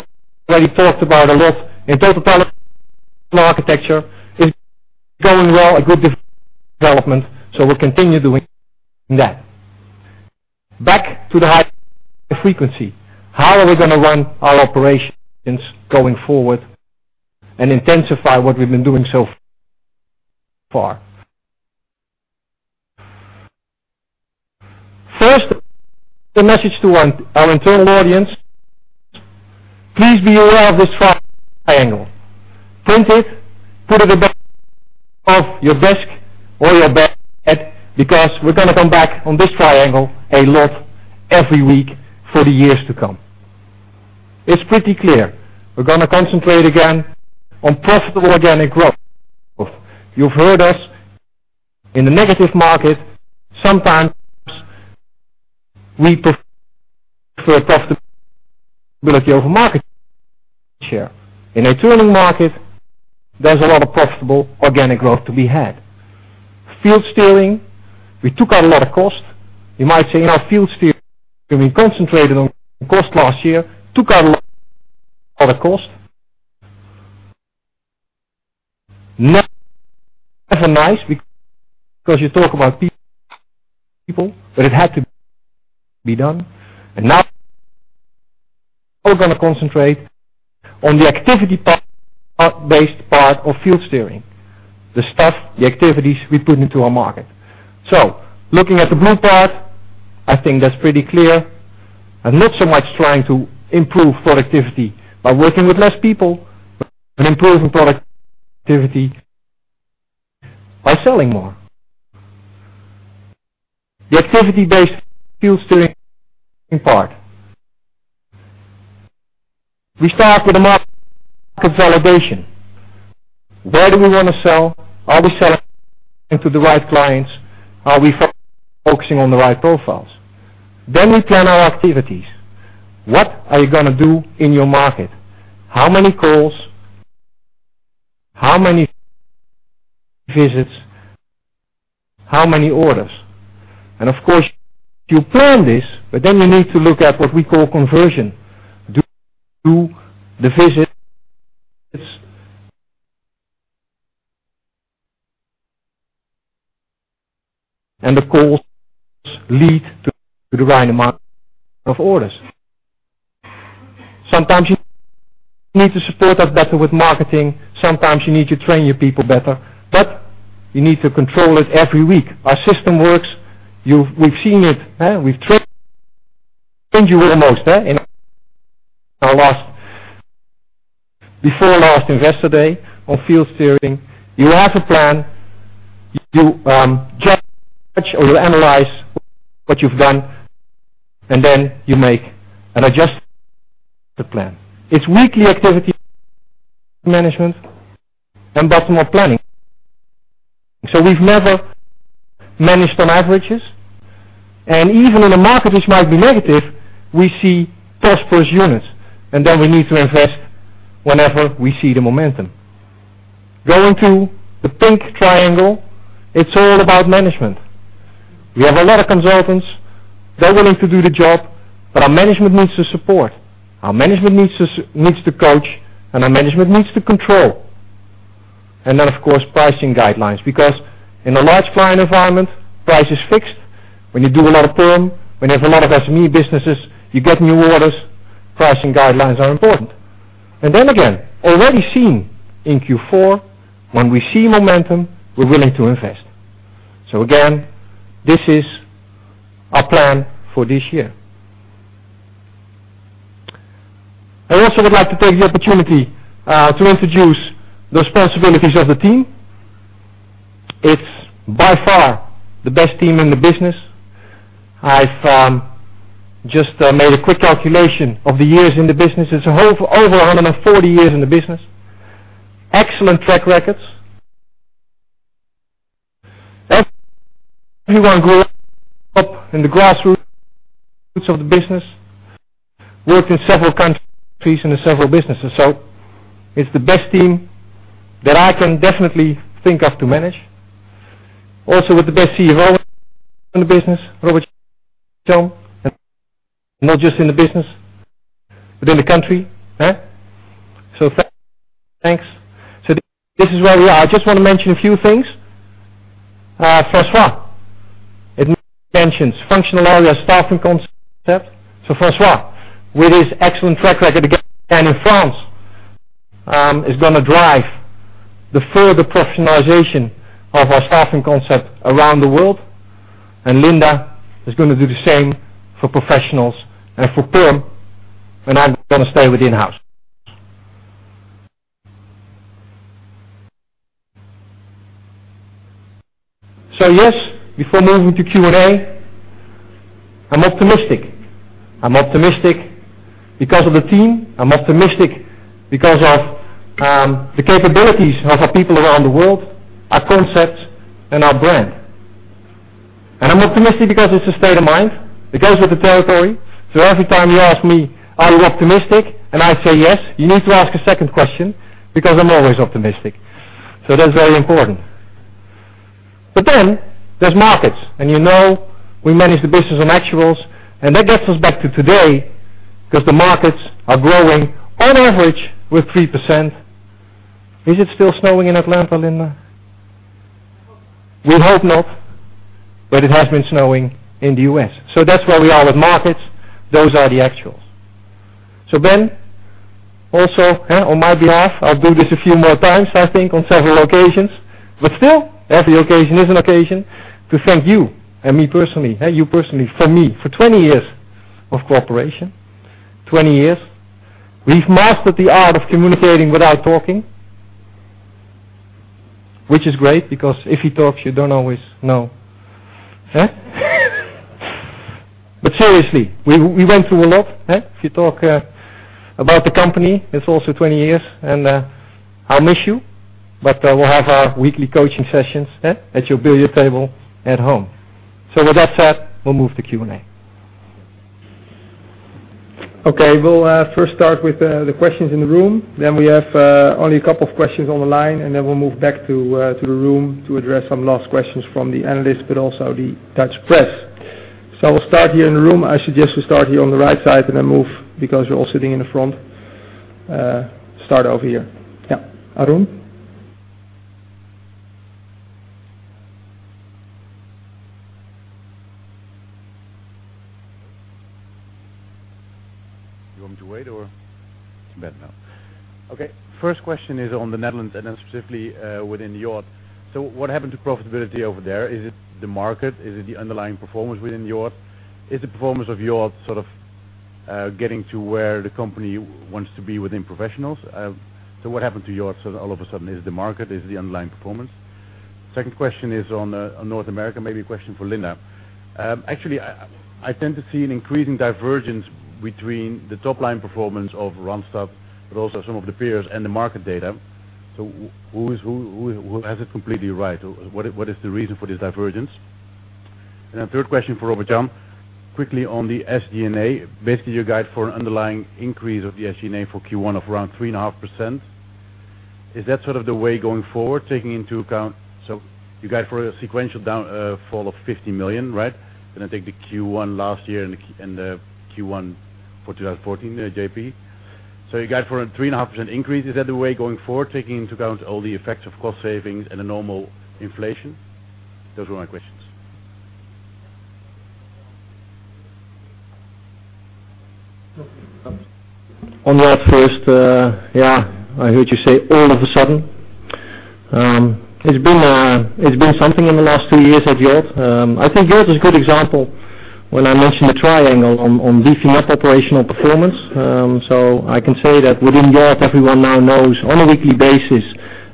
already talked about a lot. Total talent architecture is going well, a good development, we'll continue doing that. Back to the high frequency. How are we going to run our operations going forward and intensify what we've been doing so far? First, the message to our internal audience. Please be aware of this triangle. Print it, put it at the back of your desk or your bed because we're going to come back on this triangle a lot every week for the years to come. It's pretty clear. We're going to concentrate again on profitable organic growth. You've heard us. In a negative market, sometimes we prefer profitability over market share. In a turning market, there's a lot of profitable organic growth to be had. Field steering, we took out a lot of cost. You might say, "Field steering, we concentrated on cost last year, took out a lot of cost." Never nice because you talk about people, but it had to be done. Now we're going to concentrate on the activity-based part of Field steering, the stuff, the activities we put into our market. Looking at the blue part, I think that's pretty clear, and not so much trying to improve productivity by working with less people, but improving productivity by selling more. The activity-based Field steering part. We start with a market validation. Where do we want to sell? Are we selling to the right clients? Are we focusing on the right profiles? We plan our activities. What are you going to do in your market? How many calls? How many visits? How many orders? Of course, you plan this, but then you need to look at what we call conversion. Do the visits and the calls lead to the right amount of orders? Sometimes you need to support that better with marketing. Sometimes you need to train your people better. You need to control it every week. Our system works. We've seen it. We've trained you almost in our last, before last Investor Day on Field steering. You have a plan. You judge or you analyze what you've done, and then you make an adjusted plan. It's weekly activity management and bottom-up planning. We've never managed on averages, and even in a market which might be negative, we see prosperous units, and then we need to invest whenever we see the momentum. Going to the pink triangle, it's all about management. We have a lot of consultants. They're willing to do the job, but our management needs the support. Our management needs to coach, and our management needs to control. Then, of course, pricing guidelines, because in a large client environment, price is fixed. When you do a lot of perm, when you have a lot of SME businesses, you get new orders, pricing guidelines are important. Then again, already seen in Q4, when we see momentum, we're willing to invest. Again, this is our plan for this year. I also would like to take the opportunity to introduce the responsibilities of the team. It's by far the best team in the business. I've just made a quick calculation of the years in the business. It's over 140 years in the business. Excellent track records. Everyone grew up in the grassroots of the business, worked in several countries and in several businesses. It's the best team that I can definitely think of to manage. Also with the best CEO in the business, Robert not just in the business, but in the country. Thanks. This is where we are. I just want to mention a few things. François, it needs mentions. Functional area staffing concept. François, with his excellent track record again in France, is going to drive the further professionalization of our staffing concept around the world. Linda is going to do the same for professionals and for perm, and I'm going to stay within house. Yes, before moving to Q&A, I'm optimistic. I'm optimistic because of the team. I'm optimistic because of the capabilities of our people around the world, our concepts, and our brand. I'm optimistic because it's a state of mind. It goes with the territory. Every time you ask me, "Are you optimistic?" I say, "Yes," you need to ask a second question, because I'm always optimistic. That's very important. There's markets. You know we manage the business on actuals, and that gets us back to today, because the markets are growing on average with 3%. Is it still snowing in Atlanta, Linda? I hope not. We hope not, but it has been snowing in the U.S. That's where we are with markets. Those are the actuals. Ben, also on my behalf, I'll do this a few more times, I think, on several occasions, but still, every occasion is an occasion to thank you and me personally, you personally from me for 20 years of cooperation. 20 years. We've mastered the art of communicating without talking. Which is great, because if he talks, you don't always know. Seriously, we went through a lot. If you talk about the company, it's also 20 years, and I'll miss you. We'll have our weekly coaching sessions at your billiard table at home. With that said, we'll move to Q&A. Okay. We'll first start with the questions in the room. We have only a couple of questions on the line, and then we'll move back to the room to address some last questions from the analysts, but also the Dutch press. We'll start here in the room. I suggest we start here on the right side and then move, because you're all sitting in the front. Start over here. Yeah. Arun? You want me to wait or? It's better now. Okay. First question is on the Netherlands and specifically within Yacht. What happened to profitability over there? Is it the market? Is it the underlying performance within Yacht? Is the performance of Yacht sort of getting to where the company wants to be within professionals? What happened to Yacht all of a sudden? Is it the market? Is it the underlying performance? Second question is on North America, maybe a question for Linda. I tend to see an increasing divergence between the top-line performance of Randstad, but also some of the peers and the market data. Who has it completely right? What is the reason for this divergence? Third question for Robert Jan, quickly on the SG&A. Your guide for an underlying increase of the SG&A for Q1 of around 3.5%. Is that sort of the way going forward, taking into account a sequential fall of 50 million, right? Going to take the Q1 last year and the Q1 for 2014. (inaudible) Your guide for a 3.5% increase, is that the way going forward, taking into account all the effects of cost savings and a normal inflation? Those were my questions. On Yacht first. Yeah, I heard you say all of a sudden. It's been something in the last two years at Yacht. I think Yacht is a good example when I mentioned the triangle on beefing up operational performance. I can say that within Yacht, everyone now knows on a weekly basis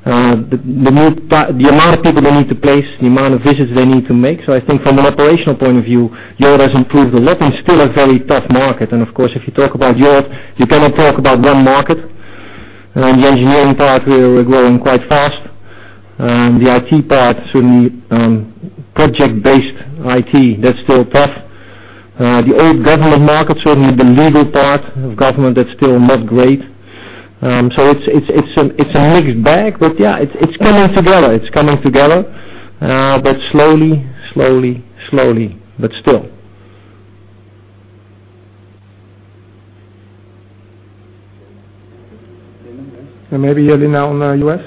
the amount of people they need to place, the amount of visits they need to make. I think from an operational point of view, Europe has improved a lot and still a very tough market. Of course, if you talk about Europe, you cannot talk about one market. The engineering part, we are growing quite fast. The IT part, certainly project-based IT, that's still tough. The old government market, certainly the legal part of government, that's still not great. It's a mixed bag, but yeah, it's coming together. It's coming together. Slowly, but still. Maybe Linda now on the U.S.?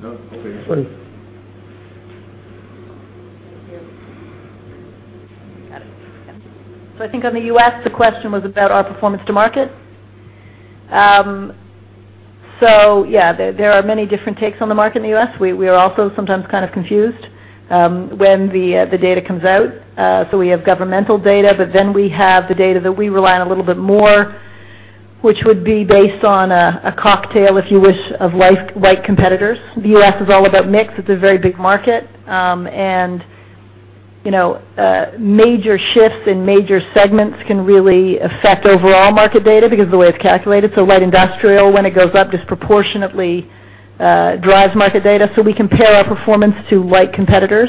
No, over here. I think on the U.S., the question was about our performance to market. Yeah, there are many different takes on the market in the U.S. We are also sometimes kind of confused when the data comes out. We have governmental data, but then we have the data that we rely on a little bit more, which would be based on a cocktail, if you wish, of like competitors. The U.S. is all about mix. It's a very big market. Major shifts in major segments can really affect overall market data because of the way it's calculated. Light industrial, when it goes up, disproportionately drives market data. We compare our performance to like competitors.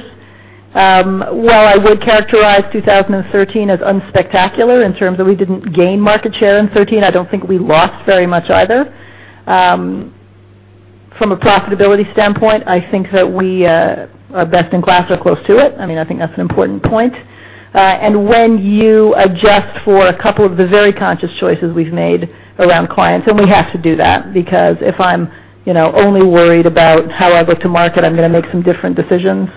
While I would characterize 2013 as unspectacular in terms of we didn't gain market share in 2013, I don't think we lost very much either. From a profitability standpoint, I think that we are best in class or close to it. I think that's an important point. When you adjust for a couple of the very conscious choices we've made around clients, and we have to do that, because if I'm only worried about how I go to market, I'm going to make some different decisions.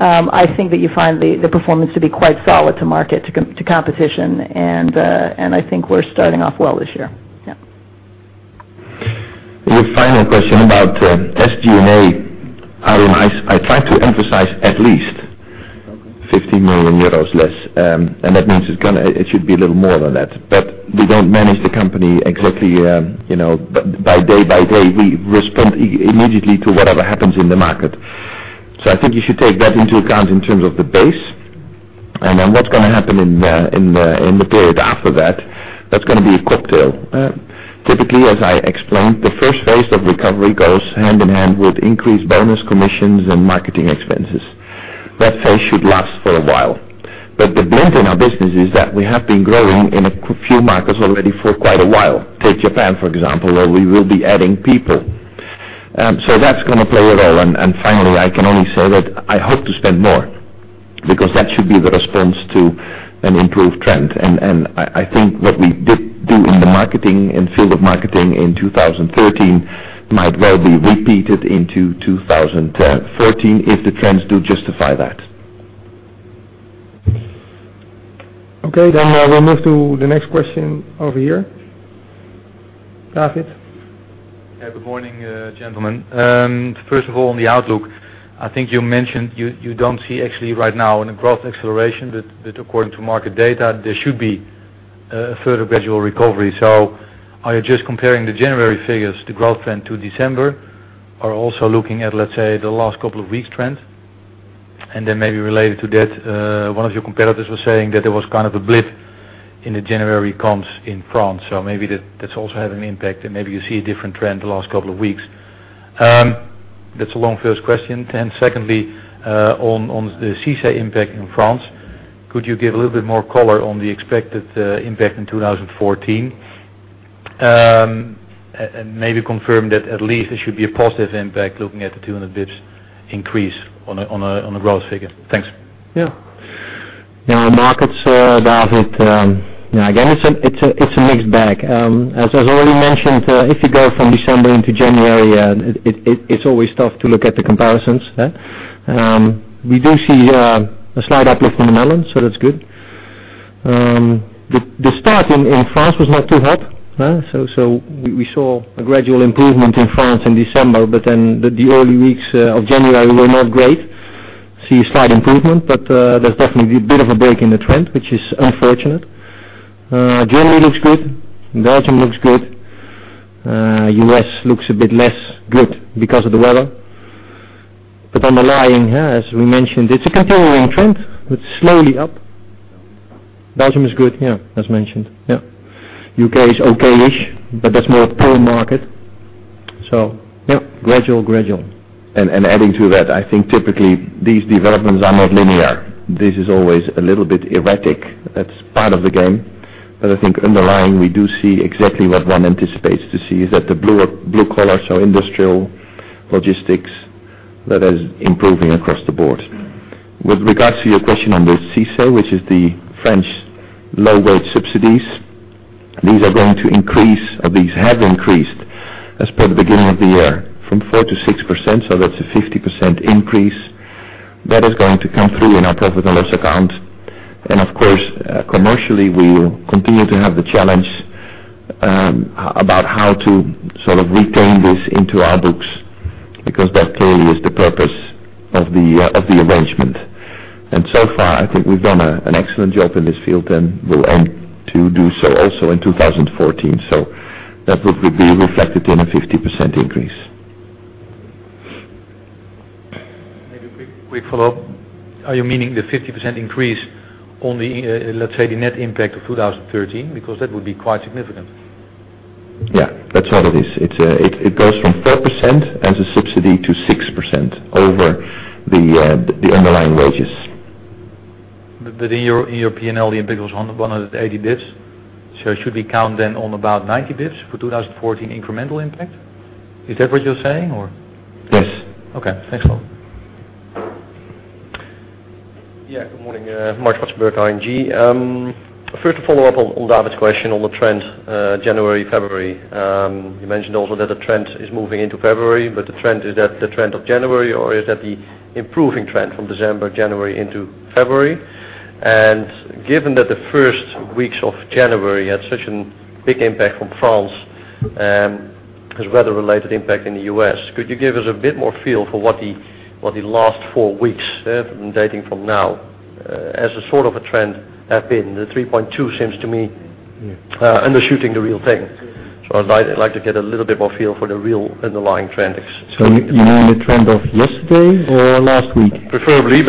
I think that you find the performance to be quite solid to market, to competition, and, I think we're starting off well this year. Yeah. Your final question about SG&A, I try to emphasize at least 50 million euros less, and that means it should be a little more than that. We don't manage the company exactly by day by day. We respond immediately to whatever happens in the market. I think you should take that into account in terms of the base. Then what's going to happen in the period after that's going to be a cocktail. Typically, as I explained, the first phase of recovery goes hand in hand with increased bonus commissions and marketing expenses. That phase should last for a while. The blend in our business is that we have been growing in a few markets already for quite a while. Take Japan, for example, where we will be adding people. That's going to play a role. Finally, I can only say that I hope to spend more because that should be the response to an improved trend. I think what we did do in the marketing and field of marketing in 2013 might well be repeated into 2014 if the trends do justify that. Okay. We'll move to the next question over here. David. Good morning, gentlemen. First of all, on the outlook, I think you mentioned you don't see actually right now any growth acceleration, that according to market data, there should be a further gradual recovery. Are you just comparing the January figures, the growth trend to December, or also looking at, let's say, the last couple of weeks' trend? Then maybe related to that, one of your competitors was saying that there was kind of a blip in the January comps in France. Maybe that's also had an impact, and maybe you see a different trend the last couple of weeks. That's a long first question. Secondly, on the CICE impact in France, could you give a little bit more color on the expected impact in 2014? Maybe confirm that at least there should be a positive impact looking at the 200 basis points increase on a growth figure. Thanks. Markets, David. It's a mixed bag. As I already mentioned, if you go from December into January, it's always tough to look at the comparisons. We do see a slight uplift in the Netherlands, that's good. The start in France was not too hot. We saw a gradual improvement in France in December, the early weeks of January were not great. We see a slight improvement, there's definitely a bit of a break in the trend, which is unfortunate. Germany looks good. Belgium looks good. U.S. looks a bit less good because of the weather. Underlying, as we mentioned, it's a continuing trend. It's slowly up. Belgium is good, as mentioned. U.K. is okay-ish, but that's more a poor market. Gradual. Adding to that, I think typically these developments are not linear. This is always a little bit erratic. That's part of the game. I think underlying, we do see exactly what one anticipates to see is that the blue collar, so industrial logistics, that is improving across the board. With regards to your question on the CICE, which is the French low-wage subsidies, these are going to increase, or these have increased as per the beginning of the year from 4% to 6%, that's a 50% increase. That is going to come through in our profit and loss account. Of course, commercially, we will continue to have the challenge about how to sort of retain this into our books, because that clearly is the purpose of the arrangement. So far, I think we've done an excellent job in this field and will aim to do so also in 2014. That would be reflected in a 50% increase. Maybe a quick follow-up. Are you meaning the 50% increase on, let's say, the net impact of 2013? Because that would be quite significant. Yeah, that's what it is. It goes from 4% as a subsidy to 6% over the underlying wages. In your P&L, the impact was 180 basis points. Should we count then on about 90 basis points for 2014 incremental impact? Is that what you're saying, or? Yes. Okay. Thanks, Paul. Yeah. Good morning. Marc Zwartsenburg, ING. First, to follow up on David's question on the trend, January, February. You mentioned also that the trend is moving into February, the trend, is that the trend of January, or is that the improving trend from December, January into February? Given that the first weeks of January had such a big impact from France as weather-related impact in the U.S., could you give us a bit more feel for what the last four weeks, dating from now, as a sort of a trend have been? The 3.2 seems to me undershooting the real thing. I'd like to get a little bit more feel for the real underlying trend. You mean the trend of yesterday or last week? Preferably,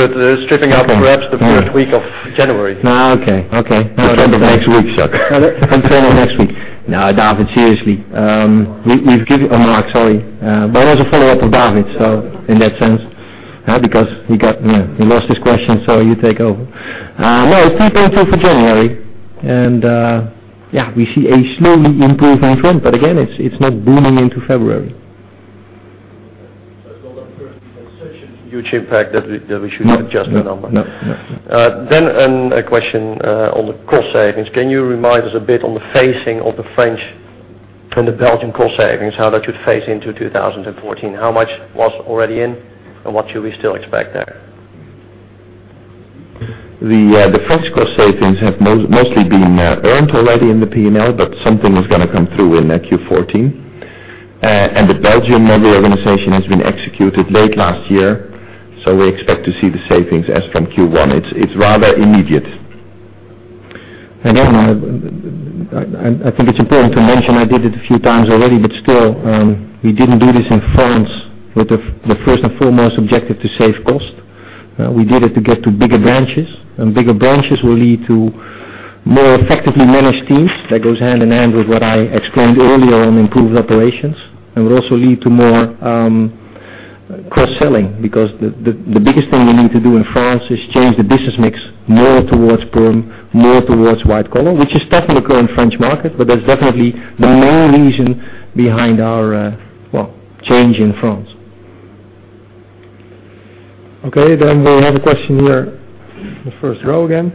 stripping out perhaps the first week of January. Okay. The trend of next week. The trend of next week. No, David, seriously. Marc, sorry. As a follow-up of David, in that sense, because he lost his question, you take over. No, it's 3.2 for January. Yeah, we see a slowly improving trend. Again, it's not booming into February. It's not that first week had such a huge impact that we should adjust the number. No. A question on the cost savings. Can you remind us a bit on the phasing of the French and the Belgian cost savings, how that should phase into 2014? How much was already in, and what should we still expect there? The French cost savings have mostly been earned already in the P&L, but something is going to come through in Q1 '14. The Belgium model organization has been executed late last year, we expect to see the savings as from Q1. It's rather immediate. I think it's important to mention, I did it a few times already, still, we didn't do this in France with the first and foremost objective to save cost. We did it to get to bigger branches, and bigger branches will lead to more effectively managed teams. That goes hand in hand with what I explained earlier on improved operations and will also lead to more cross-selling, because the biggest thing we need to do in France is change the business mix more towards perm, more towards white collar, which is definitely growing French market, that's definitely the main reason behind our change in France. We have a question here in the first row again.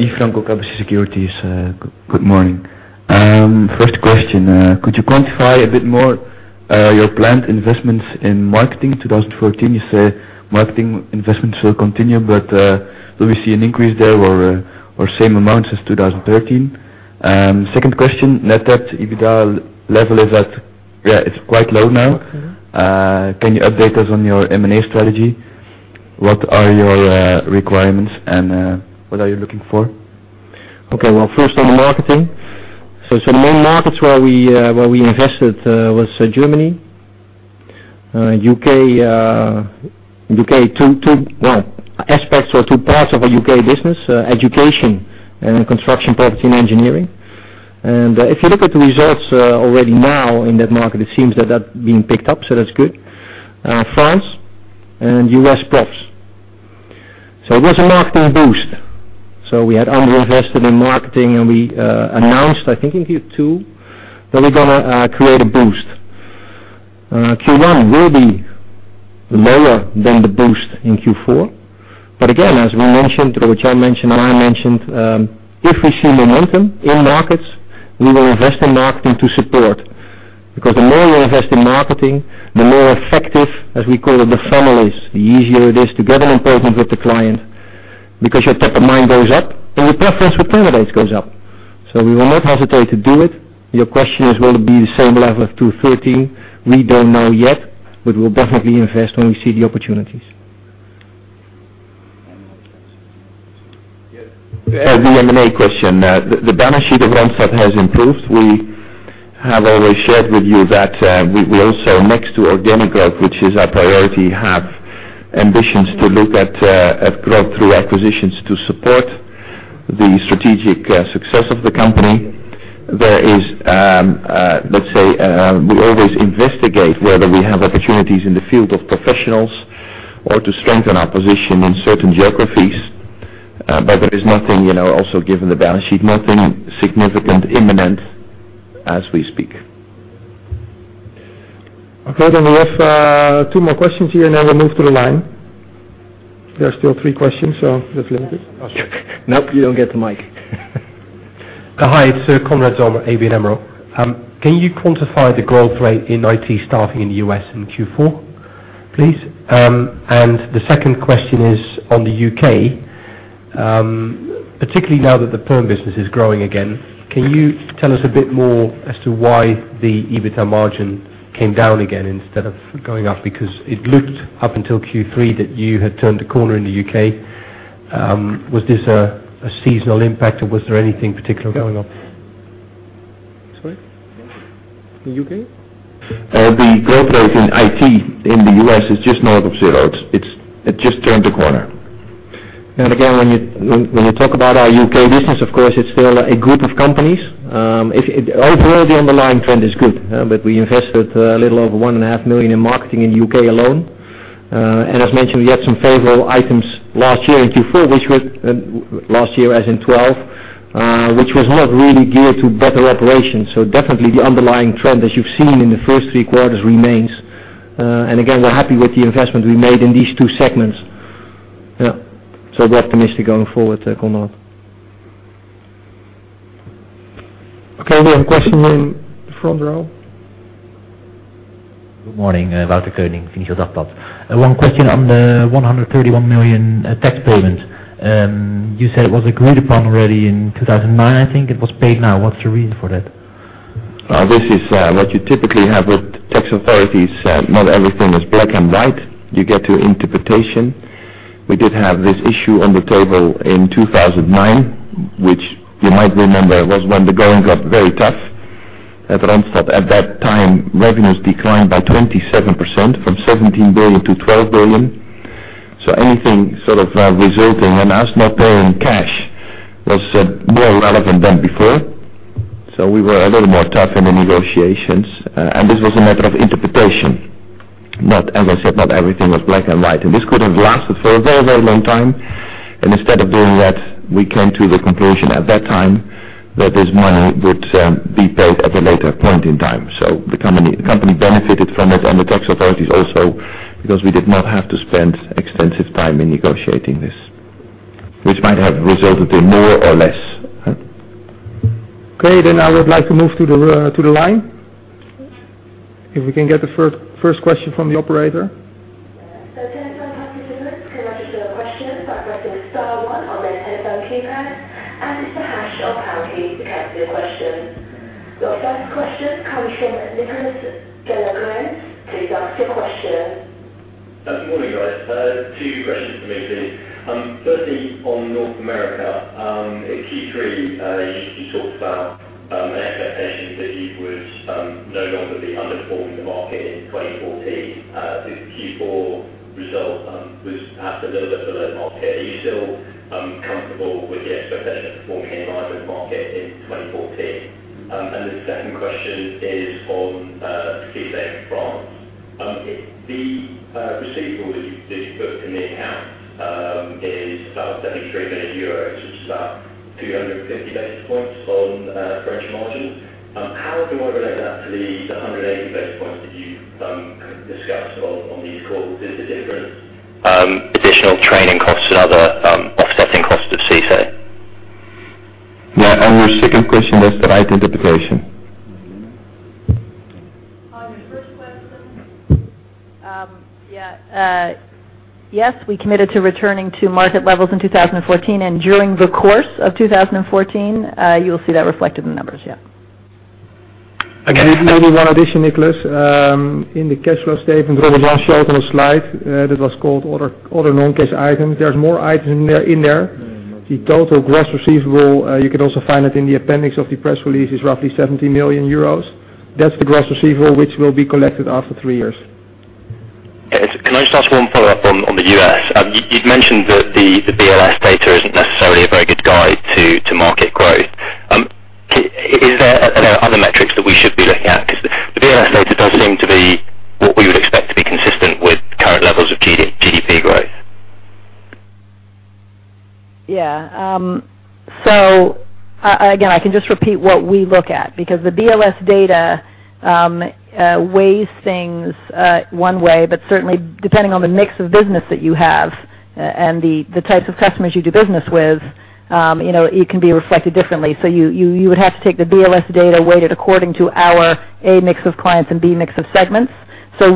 Yves Franco, KBC Securities. Good morning. First question, could you quantify a bit more your planned investments in marketing 2014? You say marketing investments will continue, do we see an increase there or same amount as 2013? Second question, net debt, EBITDA level is at, it's quite low now. Can you update us on your M&A strategy? What are your requirements, and what are you looking for? First on the marketing. The main markets where we invested was Germany. U.K., two aspects or two parts of our U.K. business, education and construction, property, and engineering. If you look at the results already now in that market, it seems that that being picked up, that's good. France and U.S. profs. It was a marketing boost. We had under-invested in marketing, and we announced, I think in Q2, that we're going to create a boost. Q1 will be lower than the boost in Q4. Again, as we mentioned, through what Robert Jan mentioned and I mentioned, if we see momentum in markets, we will invest in marketing to support. The more you invest in marketing, the more effective, as we call it, the families, the easier it is to get an appointment with the client because your top of mind goes up and your preference for candidates goes up. We will not hesitate to do it. Your question is, will it be the same level of 2013? We don't know yet, we'll definitely invest when we see the opportunities. The M&A question. The balance sheet of Randstad has improved. We have always shared with you that we also, next to organic growth, which is our priority, have ambitions to look at growth through acquisitions to support the strategic success of the company. Let's say, we always investigate whether we have opportunities in the field of professionals or to strengthen our position in certain geographies. There is nothing, also given the balance sheet, nothing significant imminent as we speak. Okay. We have two more questions here. Now we move to the line. There are still three questions, let's limit it. Nope, you don't get the mic. Hi, it's Konrad Zomer, ABN AMRO. Can you quantify the growth rate in IT staffing in the U.S. in Q4, please? The second question is on the U.K. Particularly now that the perm business is growing again, can you tell us a bit more as to why the EBITDA margin came down again instead of going up? Because it looked up until Q3 that you had turned a corner in the U.K. Was this a seasonal impact or was there anything particular going on? Sorry. In the U.K.? The growth rate in IT in the U.S. is just north of zero. It just turned a corner. Again, when you talk about our U.K. business, of course, it's still a group of companies. Overall, the underlying trend is good, but we invested a little over 1.5 million in marketing in the U.K. alone. As mentioned, we had some favorable items last year in Q4, last year as in 2012, which was not really geared to better operations. Definitely the underlying trend as you've seen in the first three quarters remains. Again, we're happy with the investment we made in these two segments. We're optimistic going forward, Konrad. Okay, we have a question in the front row. Good morning, Walter Koenig, Financial Times Path. One question on the 131 million tax payment. You said it was agreed upon already in 2009, I think. It was paid now. What's the reason for that? This is what you typically have with tax authorities. Not everything is black and white. You get to interpretation. We did have this issue on the table in 2009, which you might remember, was when the going got very tough at Randstad. At that time, revenues declined by 27%, from 17 billion to 12 billion. Anything resulting in us not paying cash was more relevant than before. We were a little more tough in the negotiations, and this was a matter of interpretation. As I said, not everything was black and white, and this could have lasted for a very long time. Instead of doing that, we came to the conclusion at that time that this money would be paid at a later point in time. The company benefited from it and the tax authorities also, because we did not have to spend extensive time in negotiating this, which might have resulted in more or less. Okay, I would like to move to the line. If we can get the first question from the operator. Turn to questions by pressing star one on the telephone keypad and the hash or pound key to cancel your question. Your first question comes from Nicolas de la Bellasne. Please ask your question. Good morning, guys. Two questions for me, please. Firstly, on North America. In Q3, you talked about an expectation that you would no longer be underperforming the market in 2014. The Q4 result was perhaps a little bit below the market. Are you still comfortable with the expectation of performing in line with the market in 2014? The second question is on CICE France. The receivable that you put in the account is about EUR 73 million, which is about 250 basis points on French margin. How do I relate that to the 180 basis points that you discussed on these calls? There is a difference. Additional training costs and other offsetting costs of CICE. Yeah. Your second question was the right interpretation. On your first question. Yes, we committed to returning to market levels in 2014, and during the course of 2014, you will see that reflected in the numbers, yeah. Again, maybe one addition, Nicolas. In the cash flow statement, there was one shown on a slide that was called other non-cash items. There's more items in there. The total gross receivable, you can also find it in the appendix of the press release, is roughly 70 million euros. That's the gross receivable, which will be collected after three years. Yes. Can I just ask one follow-up on the U.S.? You'd mentioned that the BLS data isn't necessarily a very good guide to market growth. Are there other metrics that we should be looking at? Because the BLS data does seem to be what we would expect to be consistent with current levels of GDP growth. Yeah. Again, I can just repeat what we look at, because the BLS data weighs things one way, but certainly depending on the mix of business that you have and the types of customers you do business with, it can be reflected differently. You would have to take the BLS data weighted according to our, A, mix of clients and B, mix of segments.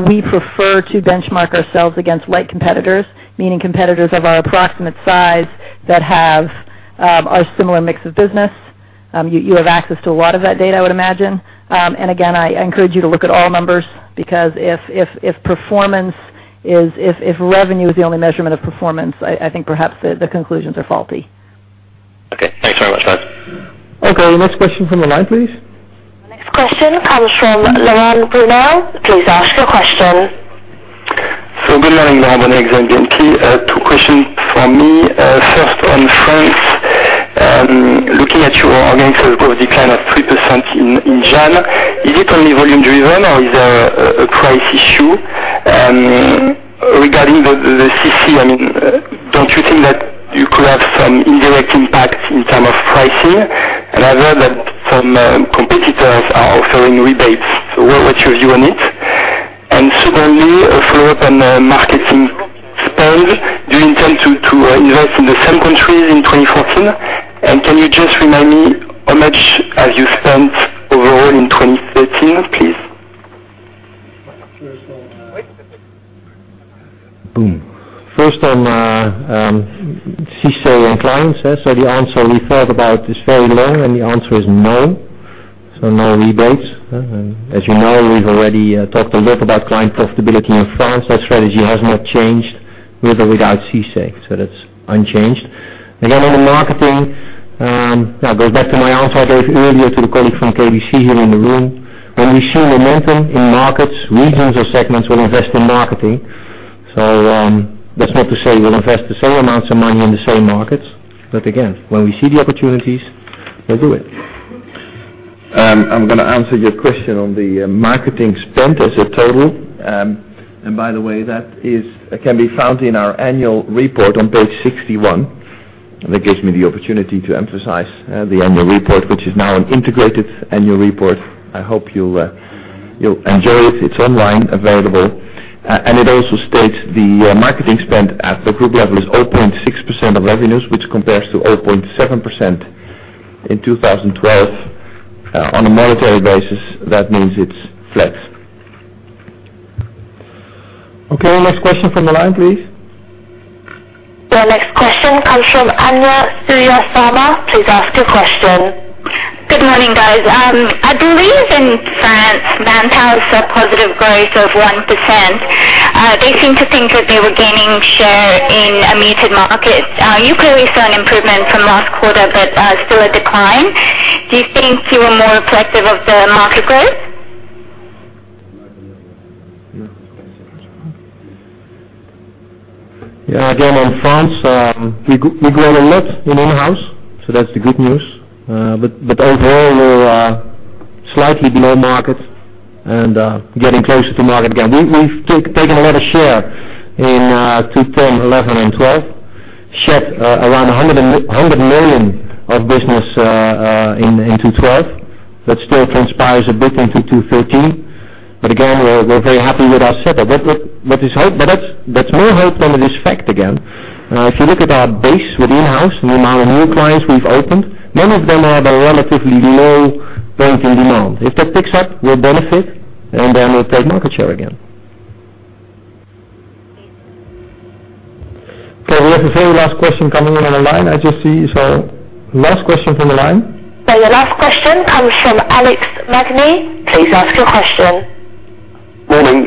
We prefer to benchmark ourselves against like competitors, meaning competitors of our approximate size that have a similar mix of business. You have access to a lot of that data, I would imagine. Again, I encourage you to look at all numbers, because if revenue is the only measurement of performance, I think perhaps the conclusions are faulty. Okay. Thanks very much, guys. Okay, the next question from the line, please. Next question comes from Laurent Brunelle. Please ask your question. Good morning, Laurent Brunelle, Exane BNP. Two questions from me. First, on France, looking at your organic growth decline of 3% in January, is it only volume-driven, or is there a price issue? Regarding the CICE, don't you think that you could have some indirect impact in terms of pricing? I heard that some competitors are offering rebates. What's your view on it? Secondly, a follow-up on marketing spend. Do you intend to invest in the same countries in 2014? Can you just remind me how much have you spent overall in 2013, please? Sure. Wait. Boom. First on CICE and clients. The answer we thought about is very long, and the answer is no. No rebates. As you know, we've already talked a lot about client profitability in France. That strategy has not changed, with or without CICE. That's unchanged. Again, on the marketing, that goes back to my answer I gave earlier to the colleague from KBC here in the room. When we see momentum in markets, regions, or segments, we'll invest in marketing. That's not to say we'll invest the same amounts of money in the same markets. Again, when we see the opportunities, we'll do it. I'm going to answer your question on the marketing spend as a total. By the way, that can be found in our annual report on page 61. That gives me the opportunity to emphasize the annual report, which is now an integrated annual report. I hope you'll enjoy it. It's online, available. It also states the marketing spend at the group level is 0.6% of revenues, which compares to 0.7% in 2012. On a monetary basis, that means it's flat. Okay. Next question from the line, please. The next question comes from Suhasini Varanasi. Please ask your question. Good morning, guys. I believe in France, Manpower saw positive growth of 1%. They seem to think that they were gaining share in a muted market. You clearly saw an improvement from last quarter but still a decline. Do you think you are more reflective of the market growth? Again, in France, we grow a lot in in-house, that's the good news. Overall, we're slightly below market and getting closer to market again. We've taken a lot of share in 2011 and 2012. Shed around 100 million of business in 2012. That still transpires a bit into 2013. Again, we're very happy with our setup. That's more hope than it is fact again. If you look at our base with in-house and the amount of new clients we've opened, many of them have a relatively low (inaudible) demand. If that picks up, we'll benefit, then we'll take market share again. We have the very last question coming in on the line. I just see. Last question from the line. The last question comes from Alexandre Manèz. Please ask your question. Morning.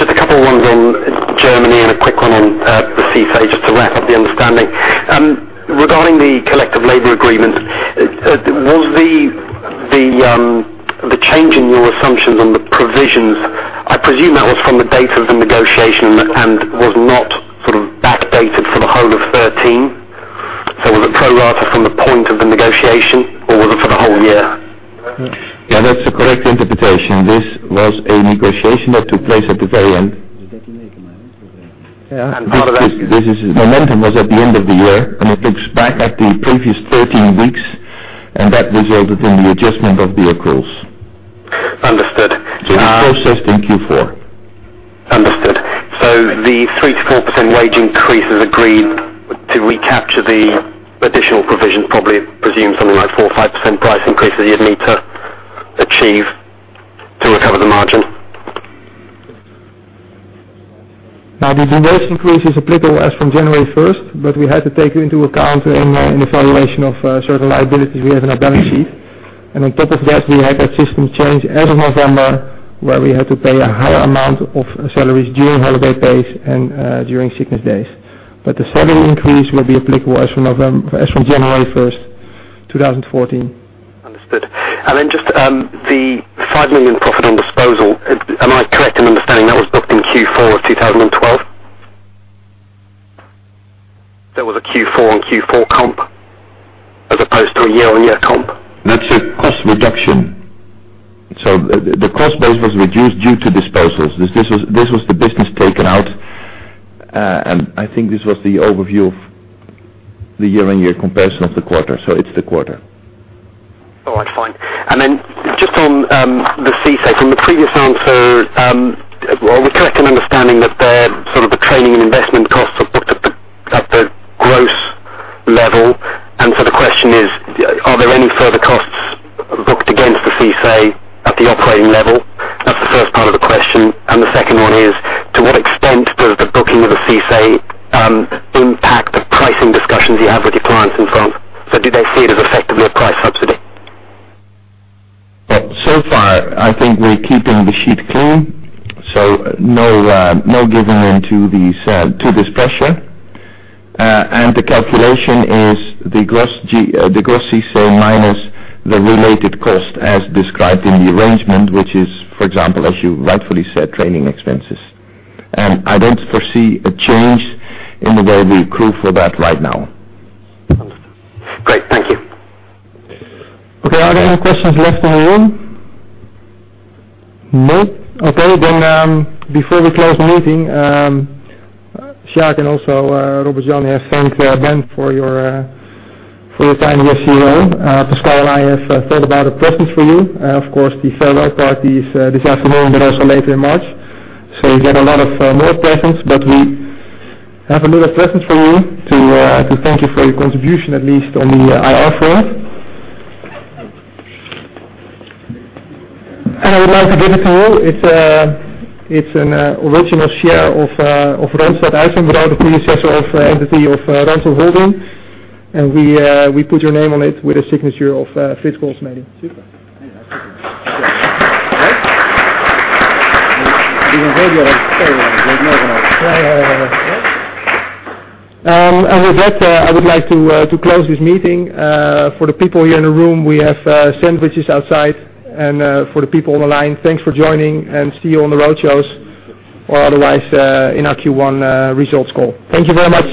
Just a couple ones on Germany and a quick one on the CICE, just to wrap up the understanding. Regarding the Collective Labor Agreement, was the change in your assumptions on the provisions, I presume that was from the date of the negotiation and was not backdated for the whole of 2013? Was it pro rata from the point of the negotiation, or was it for the whole year? Yeah, that's the correct interpretation. This was a negotiation that took place at the very end. Yeah. This momentum was at the end of the year, it looks back at the previous 13 weeks, and that resulted in the adjustment of the accruals. Understood. It's processed in Q4. Understood. The 3%-4% wage increases agreed to recapture the additional provision probably presumes something like 4% or 5% price increases you'd need to achieve to recover the margin. The wage increase is applicable as from January 1st, we had to take into account in the valuation of certain liabilities we have in our balance sheet. On top of that, we had that system change as of November, where we had to pay a higher amount of salaries during holiday pays and during sickness days. The salary increase will be applicable as from January 1st, 2014. Understood. Just the 5 million profit on disposal. Am I correct in understanding that was booked in Q4 of 2012? That was a Q4 on Q4 comp as opposed to a year-on-year comp? That's a cost reduction. The cost base was reduced due to disposals. This was the business taken out, I think this was the overview of the year-on-year comparison of the quarter. It's the quarter. All right, fine. Just on the CICE, from the previous answer, are we correct in understanding that the training and investment costs are booked at the gross level? The question is, are there any further costs booked against the CICE at the operating level? That's the first part of the question. The second one is, to what extent does the booking of a CICE impact the pricing discussions you have with your clients in France? Do they see it as effectively a price subsidy? Far, I think we're keeping the sheet clean, no giving into this pressure. The calculation is the gross CICE minus the related cost as described in the arrangement, which is, for example, as you rightfully said, training expenses. I don't foresee a change in the way we accrue for that right now. Understood. Great. Thank you. Are there any questions left in the room? Before we close the meeting, Sjaak and also Robert-Jan have thanked Ben for your time here as CEO. Pascal and I have thought about a present for you. Of course, the farewell party is this afternoon, but also later in March. You get a lot of more presents, but we have a little present for you to thank you for your contribution, at least on the IR front. I would like to give it to you. It's an original share of Randstad Uitzendbureau, the predecessor of entity of Randstad Holding, and we put your name on it with a signature of Frits Goldschmeding. Super. Hey, that's awesome. With that, I would like to close this meeting. For the people here in the room, we have sandwiches outside. For the people on the line, thanks for joining, and see you on the road shows or otherwise in our Q1 results call. Thank you very much.